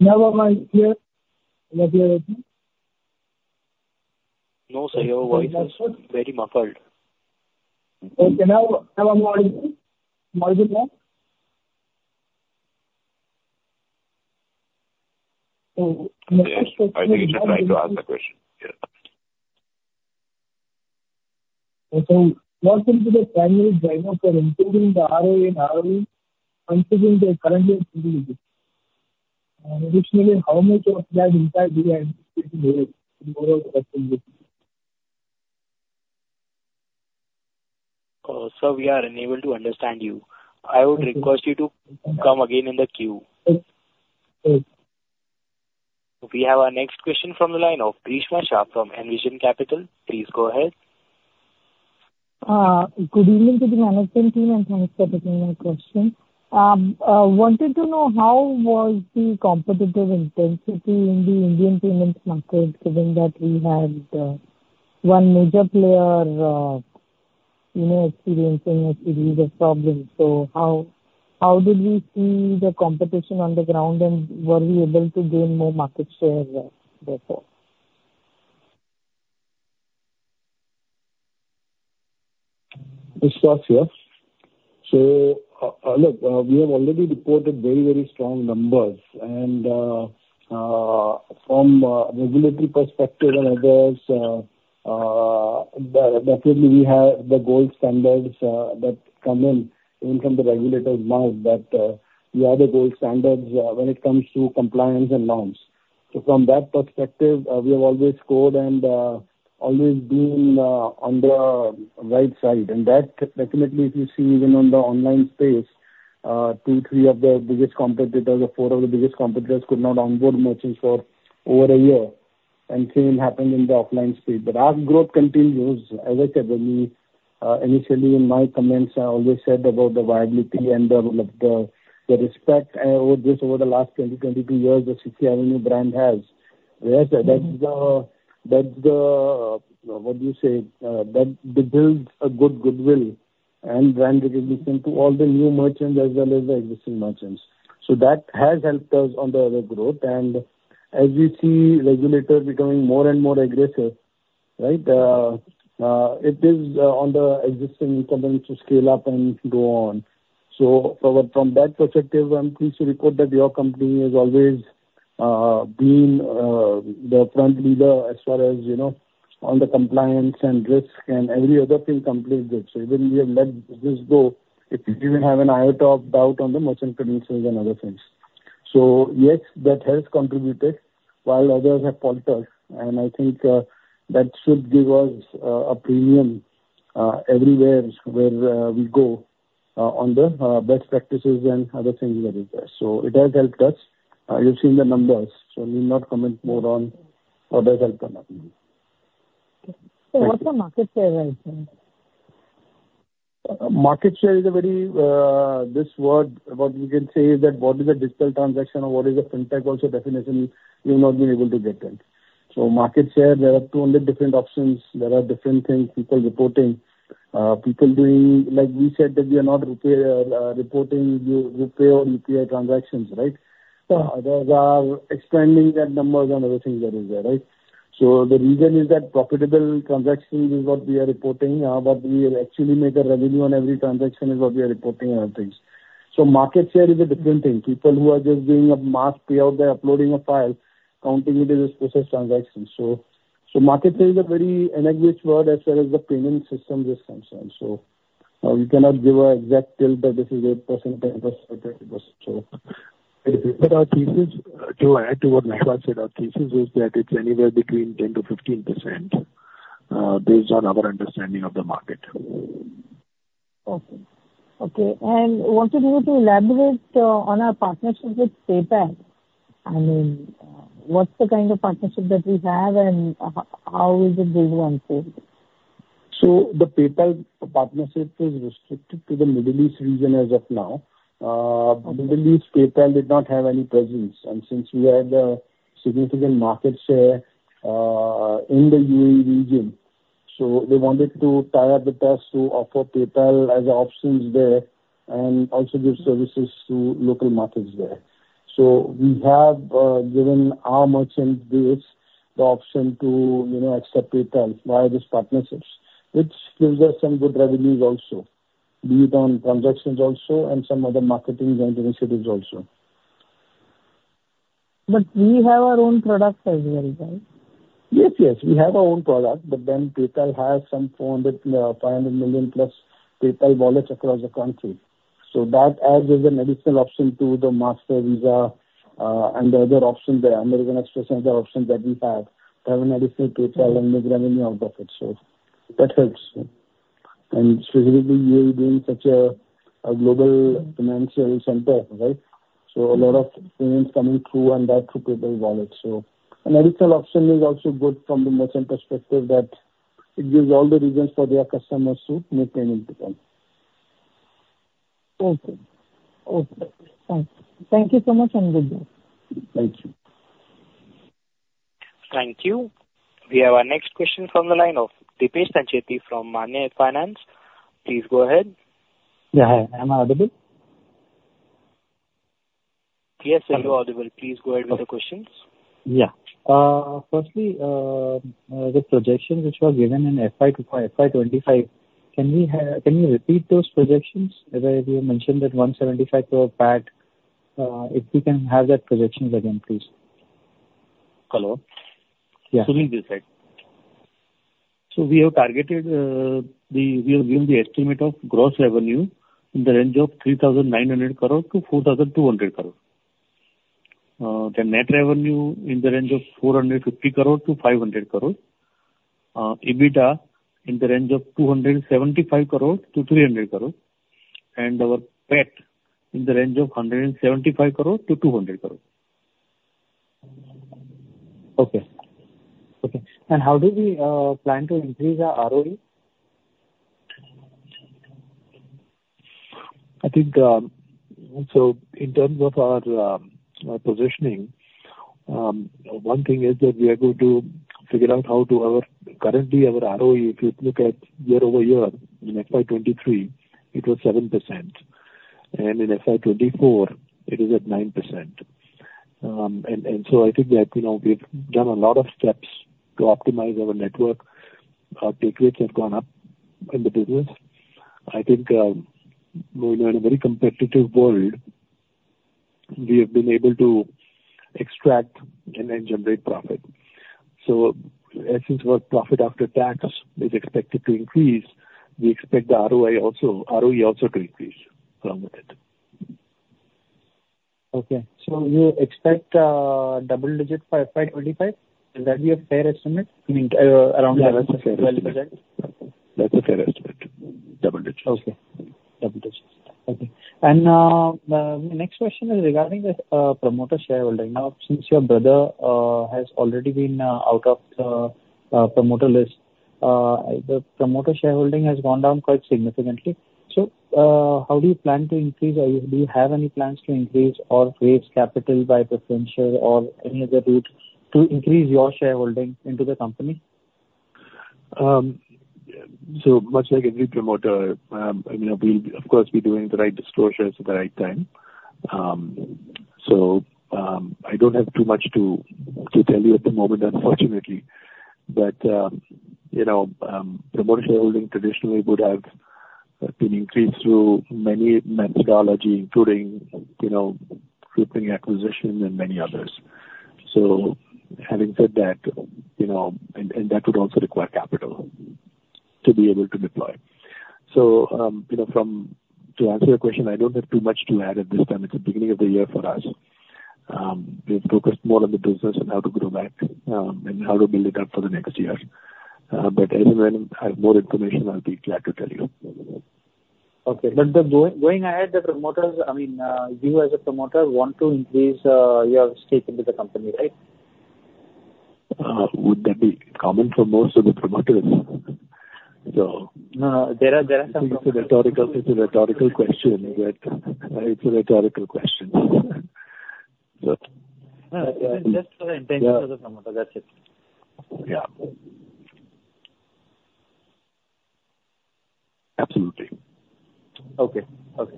Am I clear? No, sir. Your voice is very muffled. Okay, now am I audible? I think you should try to ask the question. Yeah. Okay. What is the primary driver for improving the ROE and ROE considering the current year? Additionally, how much of that impact we are expecting in tomorrow's results? Sir, we are unable to understand you. I would request you to come again in the queue. Okay. We have our next question from the line of Grishma Shah from Envision Capital. Please go ahead. Good evening to the management team, and thanks for taking my question. I wanted to know, how was the competitive intensity in the Indian payments market, given that we had one major player, you know, experiencing a serious problem? So how did we see the competition on the ground, and were we able to gain more market share, therefore? Grishma, it's Yash. So, look, we have already reported very, very strong numbers, and, from a regulatory perspective and others, definitely, we have the gold standards, that come in, even from the regulator's mark, that, we are the gold standards, when it comes to compliance and norms. So from that perspective, we have always scored and, always been, on the right side. And that definitely, if you see even on the online space, two, three of the biggest competitors or four of the biggest competitors could not onboard merchants for over a year, and same happened in the offline space. But our growth continues as I said, when we initially in my comments, I always said about the viability and the respect over this, over the last 22 years, the CCAvenue brand has. Yes, that's the, that's the, what do you say? That builds a good goodwill and brand recognition to all the new merchants as well as the existing merchants. So that has helped us on the other growth. And as we see regulators becoming more and more aggressive, right, it is on the existing incumbents to scale up and go on. So from that perspective, I'm pleased to report that your company has always been the front leader as far as, you know, on the compliance and risk and every other thing complete good. So even we have let business go, if we even have an iota of doubt on the merchant credentials and other things. So yes, that has contributed, while others have faltered, and I think that should give us a premium everywhere where we go on the best practices and other things that is there. So it has helped us. You've seen the numbers, so I need not comment more on how that helped on that. What's the market share right now? Market share is a very, this word, what we can say is that what is a digital transaction or what is a fintech also definition, we've not been able to get that. So market share, there are too many different options. There are different things people reporting. People doing, like we said, that we are not RuPay, reporting the RuPay or UPI transactions, right? Those are expanding that numbers and other things that is there, right? So the reason is that profitable transactions is what we are reporting, but we actually make a revenue on every transaction is what we are reporting on things. So market share is a different thing. People who are just doing a mass payout, they're uploading a file, counting it as a special transaction. So, market share is a very ambiguous word as far as the payment system is concerned, so, we cannot give an exact figure that this is 8%, 10% or 30%. So, to add to what Mehul said, our thesis is that it's anywhere between 10%-15%, based on our understanding of the market. Okay. Okay, and wanted you to elaborate on our partnership with PayPal. I mean, what's the kind of partnership that we have, and how is it going to unfold? So the PayPal partnership is restricted to the Middle East region as of now. Middle East, PayPal did not have any presence, and since we had a significant market share in the U.A.E. region, so they wanted to tie up with us to offer PayPal as options there and also give services to local markets there. So we have given our merchant base the option to, you know, accept PayPal via this partnerships, which gives us some good revenues also, be it on transactions also and some other marketings and initiatives also. But we have our own product as well, right? Yes, yes, we have our own product, but then PayPal has some 400-500 million plus PayPal wallets across the country. So that adds as an additional option to the Mastercard, Visa, and the other option, the American Express and the options that we have, have an additional PayPal and the revenue out of it. So that helps. And specifically, U.A.E. being such a global financial center, right? So a lot of payments coming through and back to PayPal wallet. So an additional option is also good from the merchant perspective, that it gives all the reasons for their customers to make payment to them. Okay. Okay, thank you. Thank you so much, and good day. Thank you. Thank you. We have our next question from the line of Deepesh Sancheti from Manya Finance. Please go ahead. Yeah, hi. Am I audible? Yes, you are audible. Please go ahead with the questions. Yeah. Firstly, the projections which were given in FY, FY 2025, can we have... Can you repeat those projections? As I, we mentioned that 175 crore PAT, if we can have that projections again, please. Hello? Yeah. Sunil this side. So we have targeted, we have given the estimate of gross revenue in the range of 3,900 crore-4,200 crore. The net revenue in the range of 450 crore-500 crore. EBITDA in the range of 275 crore-300 crore, and our PAT in the range of 175 crore-200 crore. Okay. Okay. How do we plan to increase our ROE? I think, so in terms of our, our positioning, one thing is that we are going to figure out how do our... Currently, our ROE, if you look at year-over-year, in FY 2023, it was 7%, and in FY 2024, it is at 9%. And, so I think that, you know, we've done a lot of steps to optimize our network. Our take rates have gone up in the business. I think, we're in a very competitive world, we have been able to extract and then generate profit. So since our profit after tax is expected to increase, we expect the ROI also-- ROE also to increase from that. Okay. So you expect double digits by FY 2025? Will that be a fair estimate? I mean around 12%. That's a fair estimate. Double digits. Okay. Double digits. Okay. And, my next question is regarding the promoter shareholding. Now, since your brother has already been out of the promoter list, the promoter shareholding has gone down quite significantly. So, how do you plan to increase or do you have any plans to increase or raise capital by preferential or any other route to increase your shareholding into the company? So much like every promoter, you know, we of course be doing the right disclosures at the right time. So, I don't have too much to tell you at the moment, unfortunately. But, you know, promoter shareholding traditionally would have been increased through many methodology, including, you know, grouping, acquisition, and many others. So having said that, you know, and that would also require capital to be able to deploy. So, you know, to answer your question, I don't have too much to add at this time. It's the beginning of the year for us. We've focused more on the business and how to grow back, and how to build it up for the next year. But anyway, I have more information, I'll be glad to tell you. Okay. But going ahead, the promoters, I mean, you as a promoter want to increase your stake into the company, right? Would that be common for most of the promoters? So- No, there are some- It's a rhetorical, it's a rhetorical question, right? It's a rhetorical question. It is just for the intention of the promoter. That's it. Yeah. Absolutely. Okay. Okay.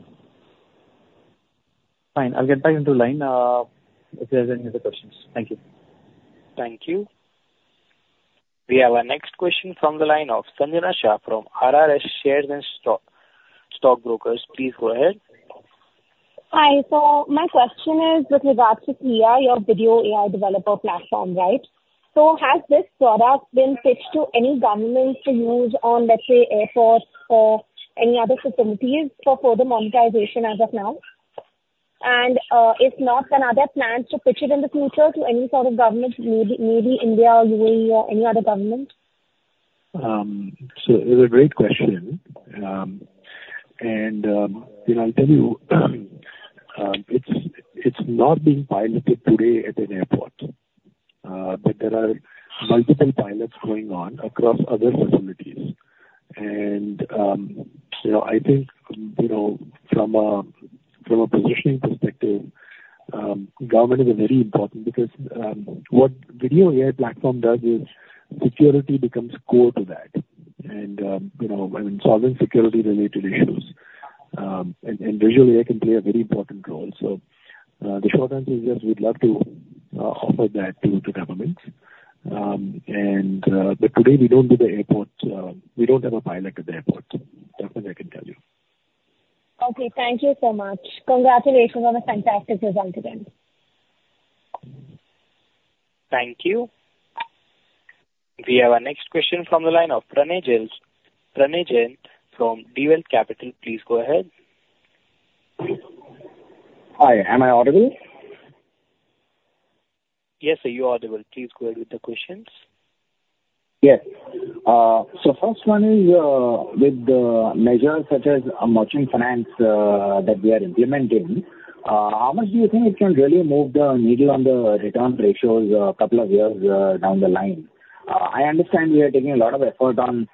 Fine. I'll get back into the line, if there's any other questions. Thank you. Thank you. We have our next question from the line of Sanjana Shah from RRS Shares and Stock, Stock Brokers. Please go ahead. Hi. So my question is with regards to AI, your video AI developer platform, right? So has this product been pitched to any governments to use on, let's say, airports or any other facilities for further monetization as of now? And, if not, then are there plans to pitch it in the future to any sort of government, maybe India or U.A.E. or any other government? So it's a great question. And, you know, I'll tell you, it's not being piloted today at an airport, but there are multiple pilots going on across other facilities. And, you know, I think, you know, from a positioning perspective, government is very important because, what video AI platform does is security becomes core to that, and, you know, and solving security-related issues. And visual AI can play a very important role. So, the short answer is, yes, we'd love to offer that to governments. And, but today we don't do the airport. We don't have a pilot at the airport. That's what I can tell you. Okay, thank you so much. Congratulations on a fantastic result again! Thank you. We have our next question from the line of Pranay Jain, Pranay Jain from DealWealth Capital. Please go ahead. Hi, am I audible? Yes, sir, you are audible. Please go ahead with the questions. Yes. So first one is, with the measures such as a merchant finance, that we are implementing, how much do you think it can really move the needle on the return ratios a couple of years, down the line? I understand we are taking a lot of effort on,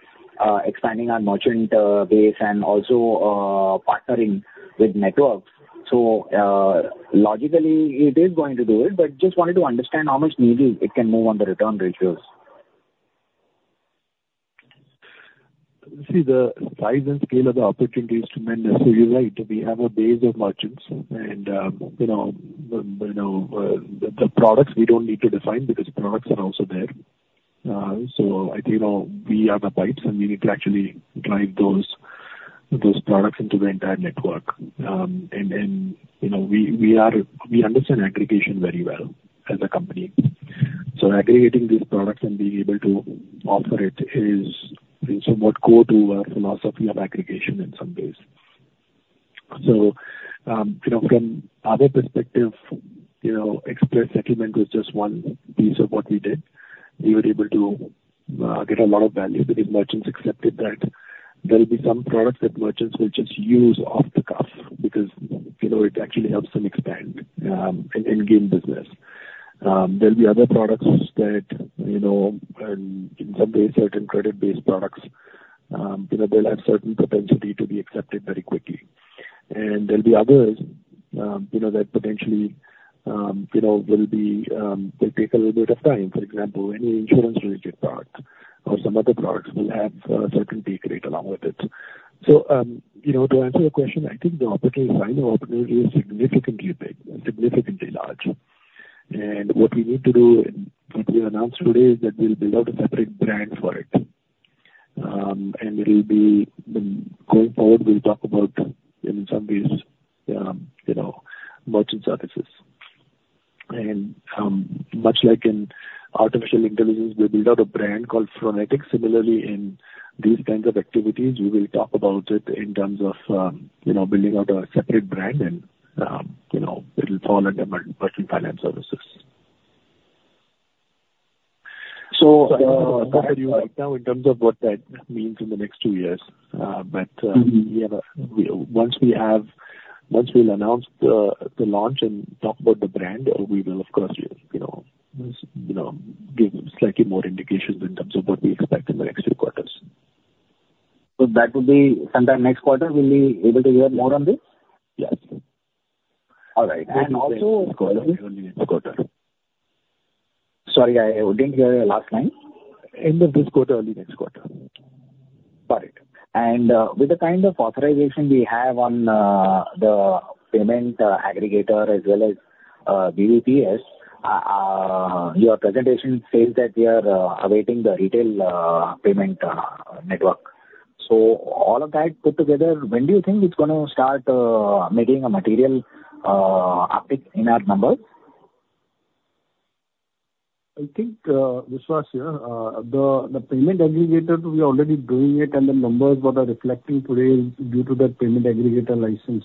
expanding our merchant, base and also, partnering with networks. So, logically, it is going to do it, but just wanted to understand how much needle it can move on the return ratios. See, the size and scale of the opportunity is tremendous. So you're right, we have a base of merchants and, you know, the products we don't need to define because the products are also there. So I think, you know, we are the pipes, and we need to actually drive those products into the entire network. And, you know, we understand aggregation very well as a company. So aggregating these products and being able to offer it is somewhat core to our philosophy of aggregation in some ways. So, you know, from other perspective, you know, express settlement was just one piece of what we did. We were able to get a lot of value because merchants accepted that there will be some products that merchants will just use off the cuff, because, you know, it actually helps them expand, and gain business. There'll be other products that, you know, and in some ways, certain credit-based products, you know, they'll have certain propensity to be accepted very quickly. And there'll be others, you know, that potentially, you know, will be, will take a little bit of time. For example, any insurance-related product or some other products will have a certain take rate along with it. So, you know, to answer your question, I think the opportunity, final opportunity is significantly big, significantly large. And what we need to do, what we announced today, is that we'll build out a separate brand for it. And it'll be... Going forward, we'll talk about in some ways, you know, merchant services. And, much like in artificial intelligence, we build out a brand called Phronetic. Similarly, in these kinds of activities, we will talk about it in terms of, you know, building out a separate brand and, you know, it'll fall under merchant finance services. So, uh-... Right now, in terms of what that means in the next two years, but yeah, once we'll announce the launch and talk about the brand, we will of course, you know, you know, give slightly more indications in terms of what we expect in the next few quarters. That would be sometime next quarter, we'll be able to hear more on this? Yes. All right. And also- End of this quarter or early next quarter. Sorry, I didn't hear your last line. End of this quarter or early next quarter. Got it. And with the kind of authorization we have on the payment aggregator as well as BBPS, your presentation says that we are awaiting the retail payment network. So all of that put together, when do you think it's gonna start making a material uptick in our numbers?... I think, Vishwas, yeah, the payment aggregator, we are already doing it, and the numbers that are reflecting today is due to that payment aggregator license,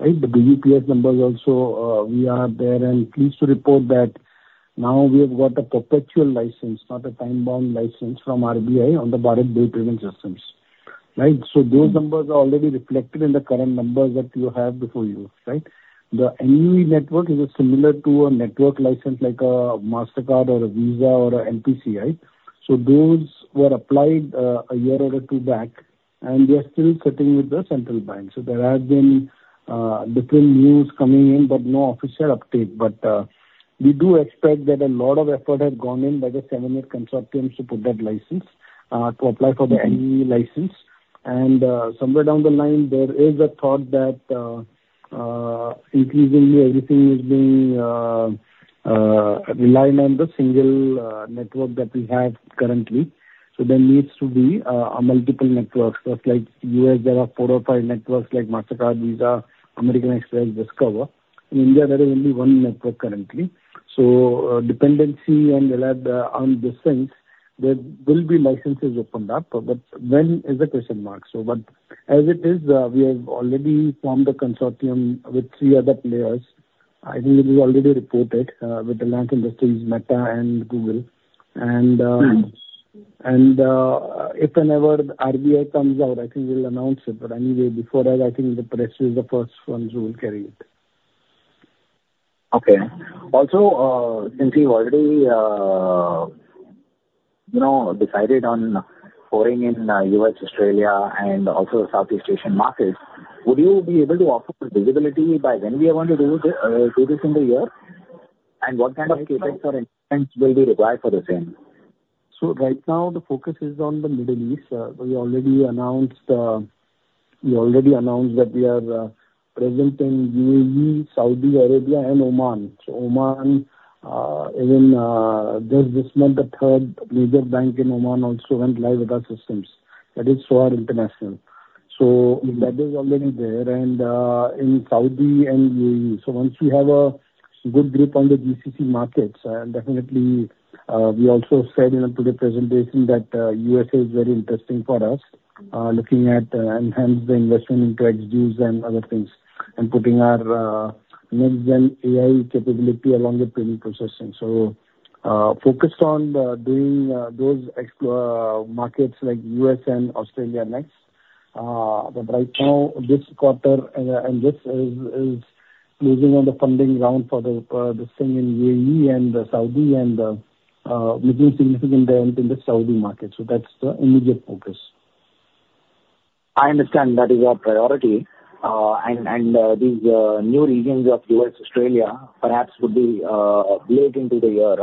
right? The UPI numbers also, we are there and pleased to report that now we have got a perpetual license, not a time-bound license, from RBI on the Bharat Bill payment systems, right? So those numbers are already reflected in the current numbers that you have before you, right? The NUE network is similar to a network license like a Mastercard or a Visa or a NPCI. So those were applied, a year or two back, and they are still sitting with the central bank. So there have been, different news coming in, but no official update. We do expect that a lot of effort has gone in by the 7, 8 consortiums to put that license to apply for the NUE license. And, somewhere down the line, there is a thought that increasingly everything is being reliant on the single network that we have currently. So there needs to be a multiple networks. Just like U.S., there are 4 or 5 networks like Mastercard, Visa, American Express, Discover. In India, there is only 1 network currently, so dependency on the NPCI, on the sense there will be licenses opened up, but when is a question mark. So but as it is, we have already formed a consortium with 3 other players. I think we already reported with Reliance Industries, Meta and Google. And Mm. -and, if and ever RBI comes out, I think we'll announce it. But anyway, before that, I think the press is the first ones who will carry it. Okay. Also, since you've already, you know, decided on pouring in, U.S., Australia and also Southeast Asian markets, would you be able to offer visibility by when we are going to do this in the year? And what kind of CapEx or expense will be required for the same? So right now, the focus is on the Middle East. We already announced that we are present in U.A.E., Saudi Arabia and Oman. So Oman, even just this month, the third major bank in Oman also went live with our systems. That is Sohar International. So that is already there and in Saudi and U.A.E.. So once we have a good grip on the GCC markets, definitely, we also said in today's presentation that USA is very interesting for us, looking at enhancing investment into XDuce and other things, and putting our next-gen AI capability along with payment processing. So focused on doing those markets like US and Australia next. But right now, this quarter, and this is closing on the funding round for this thing in U.A.E. and Saudi and making significant dent in the Saudi market. So that's the immediate focus. I understand that is your priority. And these new regions of U.S., Australia, perhaps would be late into the year.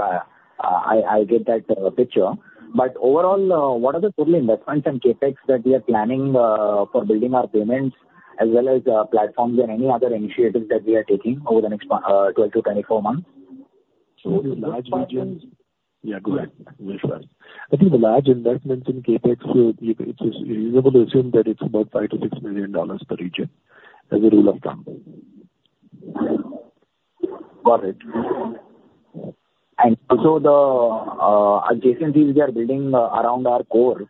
I get that picture. But overall, what are the total investments and CapEx that we are planning for building our payments as well as platforms and any other initiatives that we are taking over the next 12-24 months? So large regions... Yeah, go ahead, Vishwas. I think the large investments in CapEx, so you, it's reasonable to assume that it's about $5 million-$6 million per region, as a rule of thumb. Got it. And so the adjacent things we are building around our core,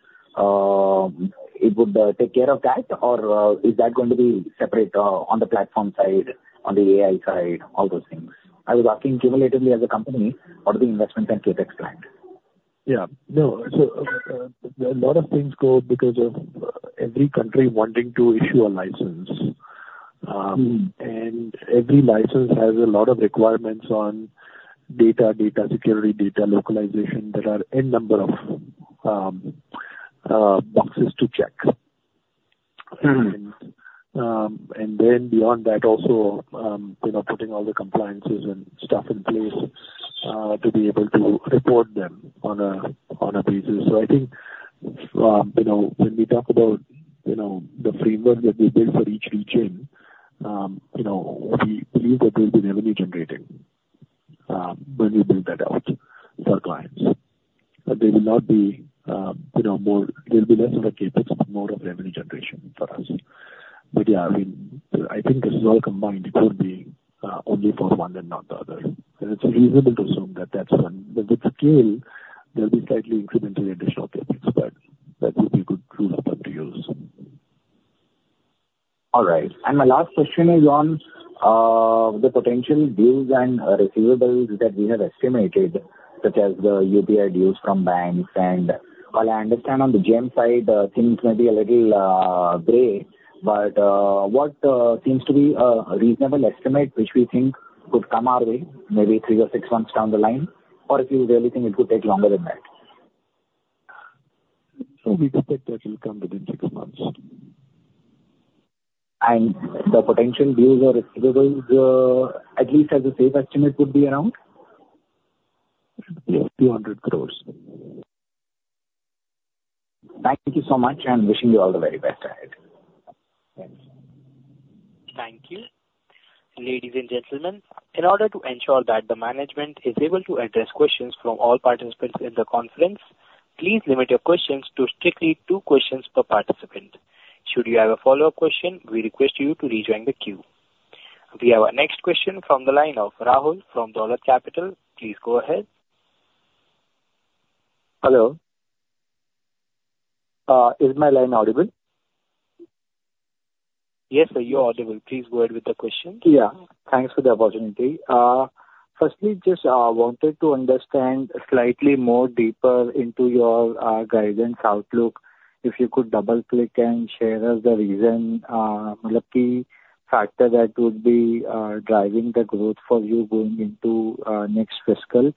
it would take care of that, or is that going to be separate, on the platform side, on the AI side, all those things? I was asking cumulatively as a company, what are the investment and CapEx planned? Yeah. No, so, a lot of things go because of every country wanting to issue a license. Mm. every license has a lot of requirements on data, data security, data localization. There are n number of boxes to check. Mm-hmm. And then beyond that, also, you know, putting all the compliances and stuff in place, to be able to report them on a basis. So I think, you know, when we talk about, you know, the framework that we build for each region, you know, we believe that there'll be revenue generating, when we build that out for clients. But they will not be, you know, more... It will be less of a CapEx but more of revenue generation for us. But yeah, I mean, I think this is all combined. It could be, only for one and not the other. And it's reasonable to assume that that's when, with the scale, there'll be slightly incremental additional CapEx, but that would be good rule of thumb to use. All right. My last question is on the potential deals and receivables that we have estimated, such as the UPI dues from banks. While I understand on the GeM side, things may be a little gray, but what seems to be a reasonable estimate, which we think could come our way, maybe three or six months down the line? Or if you really think it could take longer than that. We expect that will come within six months. The potential deals or receivables, at least as a safe estimate, would be around? few 100 crores. Thank you so much, and wishing you all the very best ahead. Thanks. Thank you. Ladies and gentlemen, in order to ensure that the management is able to address questions from all participants in the conference, please limit your questions to strictly two questions per participant. Should you have a follow-up question, we request you to rejoin the queue... We have our next question from the line of Rahul from Dolat Capital. Please go ahead. Hello? Is my line audible? Yes, sir, you're audible. Please go ahead with the question. Yeah, thanks for the opportunity. Firstly, just wanted to understand slightly more deeper into your guidance outlook. If you could double-click and share us the reason, lucky factor that would be driving the growth for you going into next fiscal.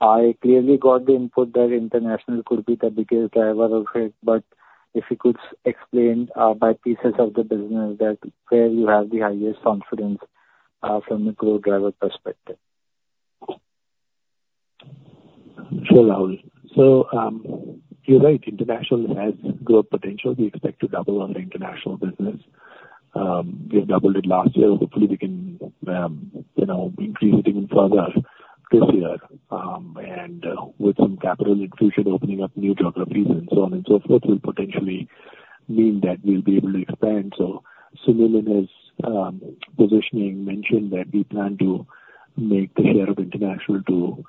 I clearly got the input that international could be the biggest driver of it, but if you could explain by pieces of the business that where you have the highest confidence from a growth driver perspective. Sure, Rahul. So, you're right, international has growth potential. We expect to double on the international business. We've doubled it last year. Hopefully, we can, you know, increase it even further this year, and, with some capital infusion, opening up new geographies and so on and so forth, will potentially mean that we'll be able to expand. So Sunil is, positioning mentioned that we plan to make the share of international to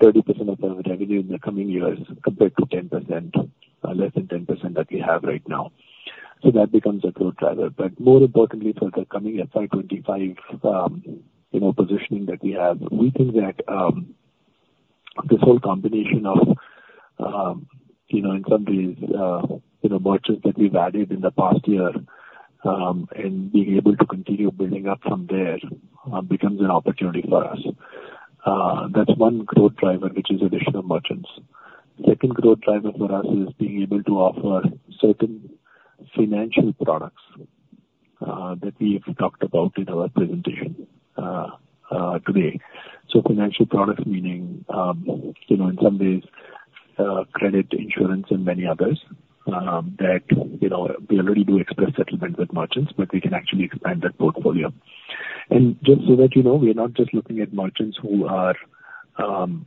30% of our revenue in the coming years, compared to 10%, less than 10% that we have right now. So that becomes a growth driver. But more importantly, for the coming FY 2025, you know, positioning that we have, we think that, this whole combination of, you know, in some ways, you know, merchants that we've added in the past year, and being able to continue building up from there, becomes an opportunity for us. That's one growth driver, which is additional merchants. Second growth driver for us is being able to offer certain financial products, that we have talked about in our presentation, today. Financial products meaning, you know, in some ways, credit, insurance, and many others, that, you know, we already do express settlements with merchants, but we can actually expand that portfolio. Just so that you know, we are not just looking at merchants who are,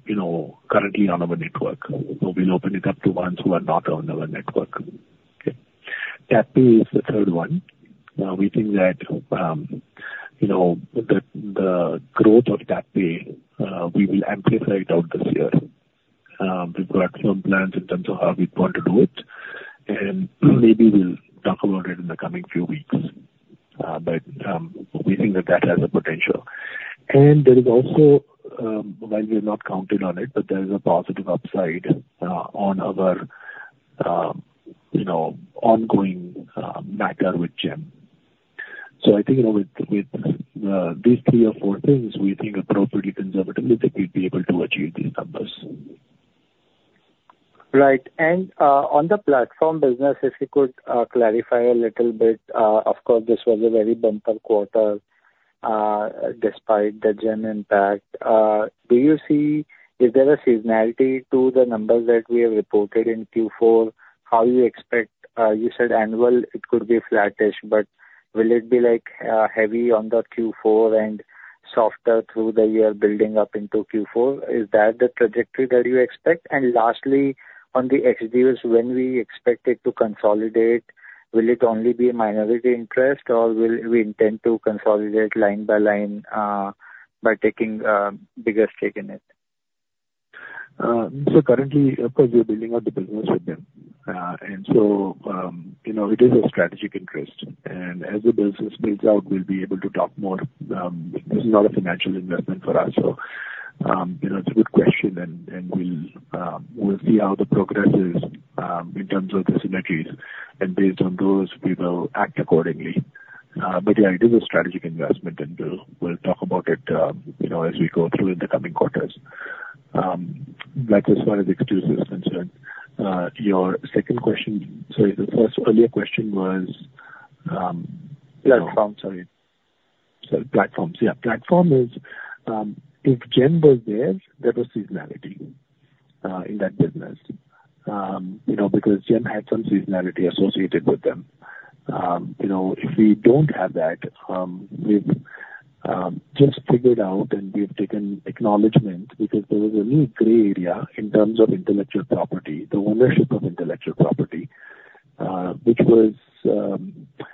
you know, currently on our network. We'll be opening up to ones who are not on our network. Okay? TapPay is the third one. We think that, you know, the growth of TapPay, we will amplify it out this year. We've got some plans in terms of how we want to do it, and maybe we'll talk about it in the coming few weeks. But we think that that has a potential. And there is also, while we have not counted on it, but there is a positive upside on our, you know, ongoing matter with GeM. So I think with these three or four things, we think appropriately, conservatively, that we'd be able to achieve these numbers. Right. And, on the platform business, if you could, clarify a little bit. Of course, this was a very bumper quarter, despite the GeM impact. Do you see... Is there a seasonality to the numbers that we have reported in Q4? How you expect, you said annual, it could be flattish, but will it be like, heavy on the Q4 and softer through the year building up into Q4? Is that the trajectory that you expect? And lastly, on the XDuce', when we expect it to consolidate, will it only be a minority interest, or will we intend to consolidate line by line, by taking a bigger stake in it? So currently, of course, we are building out the business with them. And so, you know, it is a strategic interest, and as the business builds out, we'll be able to talk more. This is not a financial investment for us, so, you know, it's a good question, and we'll see how the progress is in terms of the synergies, and based on those, we will act accordingly. But, yeah, it is a strategic investment, and we'll talk about it, you know, as we go through in the coming quarters. That is as far as this is concerned. Your second question, sorry, the first earlier question was- Platform, sorry. So platforms. Yeah, platform is, if GeM was there, there was seasonality in that business. You know, because GeM had some seasonality associated with them. You know, if we don't have that, we've just figured out and we've taken acknowledgement because there is a little gray area in terms of intellectual property, the ownership of intellectual property, which was,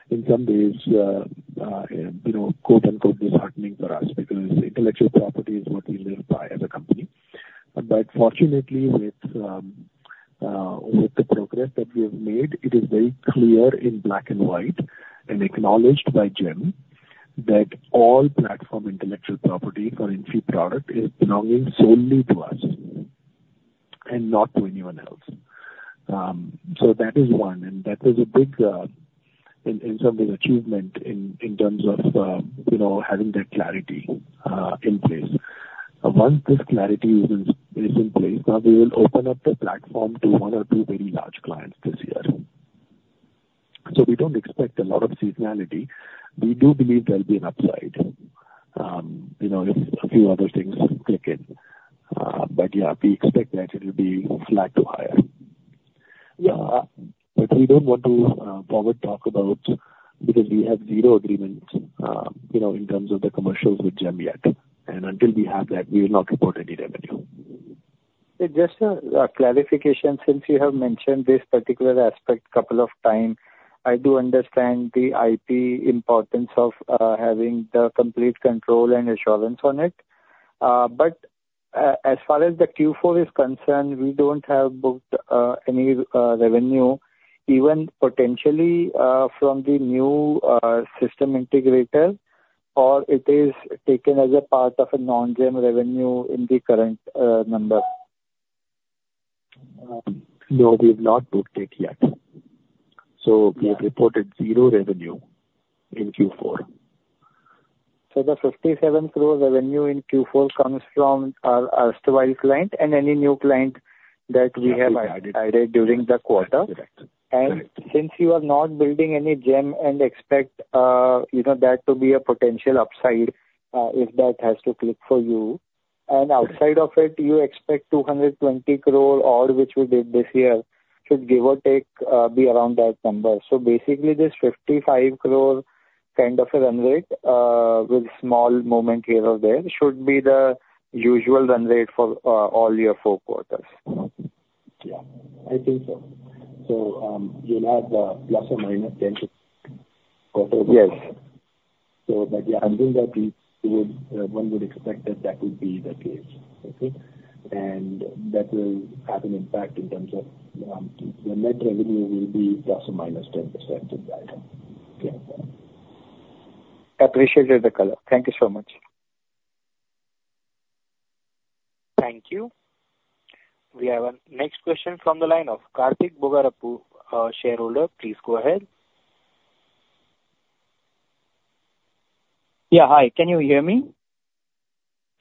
in some ways, you know, quote, unquote, "disheartening for us," because intellectual property is what we live by as a company. But fortunately, with, with the progress that we have made, it is very clear in black and white and acknowledged by GeM, that all platform intellectual property or in free product, is belonging solely to us and not to anyone else. So that is one, and that is a big, in some ways, achievement in terms of, you know, having that clarity in place. Once this clarity is in place, now we will open up the platform to 1 or 2 very large clients this year. So we don't expect a lot of seasonality. We do believe there'll be an upside, you know, if a few other things click in. But yeah, we expect that it will be flat to higher. Yeah, but we don't want to forward talk about because we have 0 agreements, you know, in terms of the commercials with GeM yet, and until we have that, we will not report any revenue.... Just a clarification, since you have mentioned this particular aspect couple of time. I do understand the IP importance of having the complete control and assurance on it. But as far as the Q4 is concerned, we don't have booked any revenue even potentially from the new system integrator, or it is taken as a part of a non-GEM revenue in the current number? No, we've not booked it yet. So we've reported zero revenue in Q4. The 57 crore revenue in Q4 comes from our established client and any new client that we have added during the quarter. That's correct. And since you are not building any GeM and expect, you know, that to be a potential upside, if that has to click for you. And outside of it, you expect 220 crore, all which you did this year, should give or take, be around that number. So basically, this 55 crore kind of a run rate, with small movement here or there, should be the usual run rate for, all your 4 quarters? Yeah, I think so. So, you'll have ±10%. Yes. So, but yeah, I think that we would, one would expect that that would be the case. Okay? And that will have an impact in terms of, the net revenue will be ±10% of that. Yeah. Appreciate the color. Thank you so much. Thank you. We have our next question from the line of Kartik Bogarapu, our shareholder. Please go ahead. Yeah, hi. Can you hear me?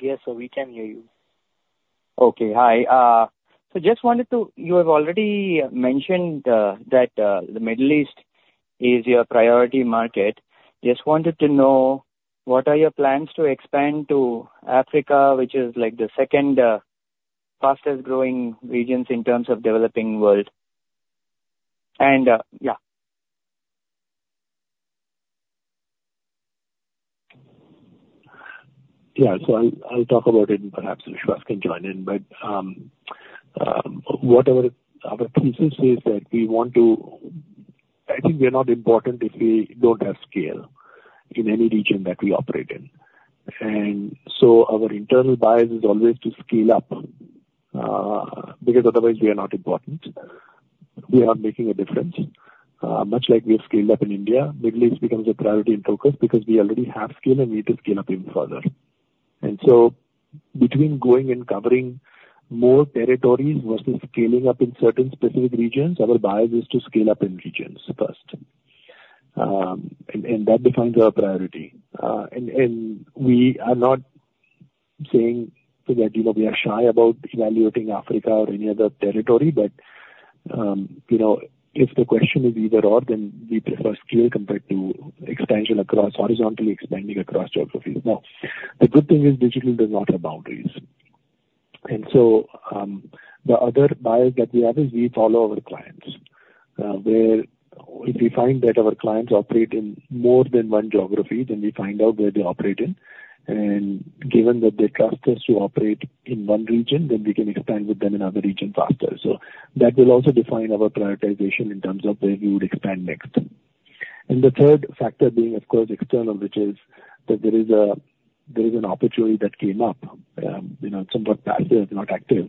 Yes, sir, we can hear you. Okay, hi. So just wanted to... You have already mentioned that the Middle East is your priority market. Just wanted to know, what are your plans to expand to Africa, which is, like, the second fastest growing regions in terms of developing world? And, yeah. Yeah. So I'll talk about it, and perhaps Ashok can join in. But what our thesis is that we want to... I think we are not important if we don't have scale in any region that we operate in. And so our internal bias is always to scale up, because otherwise we are not important. We are making a difference. Much like we have scaled up in India, Middle East becomes a priority and focus because we already have scale and we need to scale up even further. And so between going and covering more territories versus scaling up in certain specific regions, our bias is to scale up in regions first. And that defines our priority. and we are not saying that, you know, we are shy about evaluating Africa or any other territory, but, you know, if the question is either/or, then we prefer scale compared to expansion across, horizontally expanding across geographies. Now, the good thing is digital does not have boundaries. And so, the other bias that we have is we follow our clients. Where if we find that our clients operate in more than one geography, then we find out where they operate in. And given that they trust us to operate in one region, then we can expand with them in other regions faster. So that will also define our prioritization in terms of where we would expand next. And the third factor being, of course, external, which is that there is an opportunity that came up, you know, it's somewhat passive, not active,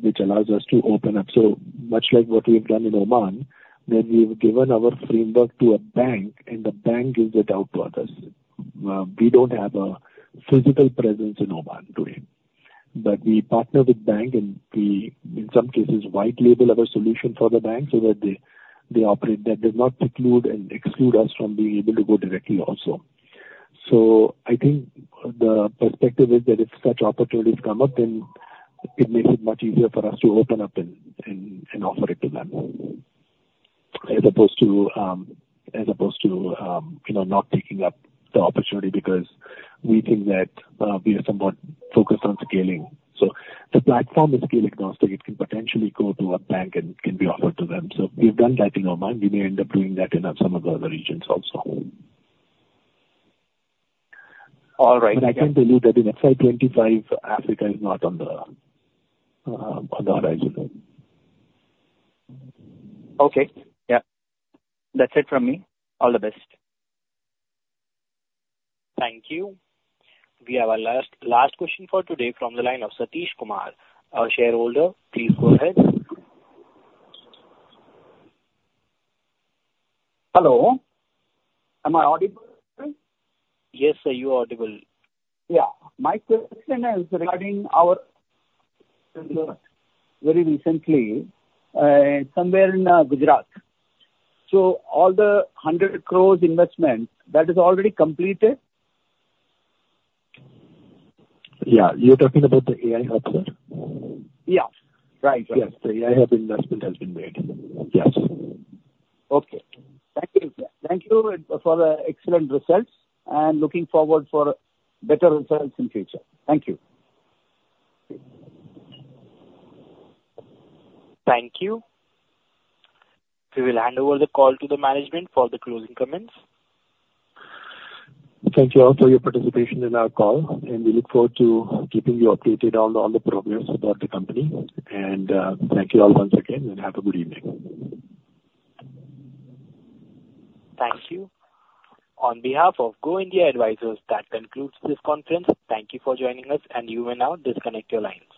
which allows us to open up. So much like what we've done in Oman, where we've given our framework to a bank, and the bank gives it out to others. We don't have a physical presence in Oman today. But we partner with bank, and we, in some cases, white label our solution for the bank so that they operate. That does not preclude and exclude us from being able to go directly also. So I think the perspective is that if such opportunities come up, then it makes it much easier for us to open up and offer it to them, as opposed to, you know, not taking up the opportunity because we think that we are somewhat focused on scaling. So the platform is scale agnostic. It can potentially go to a bank and be offered to them. So we've done that in Oman. We may end up doing that in some of the other regions also. All right. But I can tell you that in FY 25, Africa is not on the horizon. Okay. Yeah. That's it from me. All the best. Thank you. We have our last, last question for today from the line of Satish Kumar, our shareholder. Please go ahead. Hello, am I audible? Yes, sir, you are audible. Yeah. My question is regarding our... very recently, somewhere in Gujarat. So all the 100 crore investment, that is already completed? Yeah. You're talking about the AI hub there? Yeah, right. Yes, the AI hub investment has been made. Yes. Okay. Thank you. Thank you for the excellent results, and looking forward for better results in future. Thank you. Thank you. We will hand over the call to the management for the closing comments. Thank you all for your participation in our call, and we look forward to keeping you updated on all the progress about the company. Thank you all once again, and have a good evening. Thank you. On behalf of Go India Advisors, that concludes this conference. Thank you for joining us, and you may now disconnect your lines.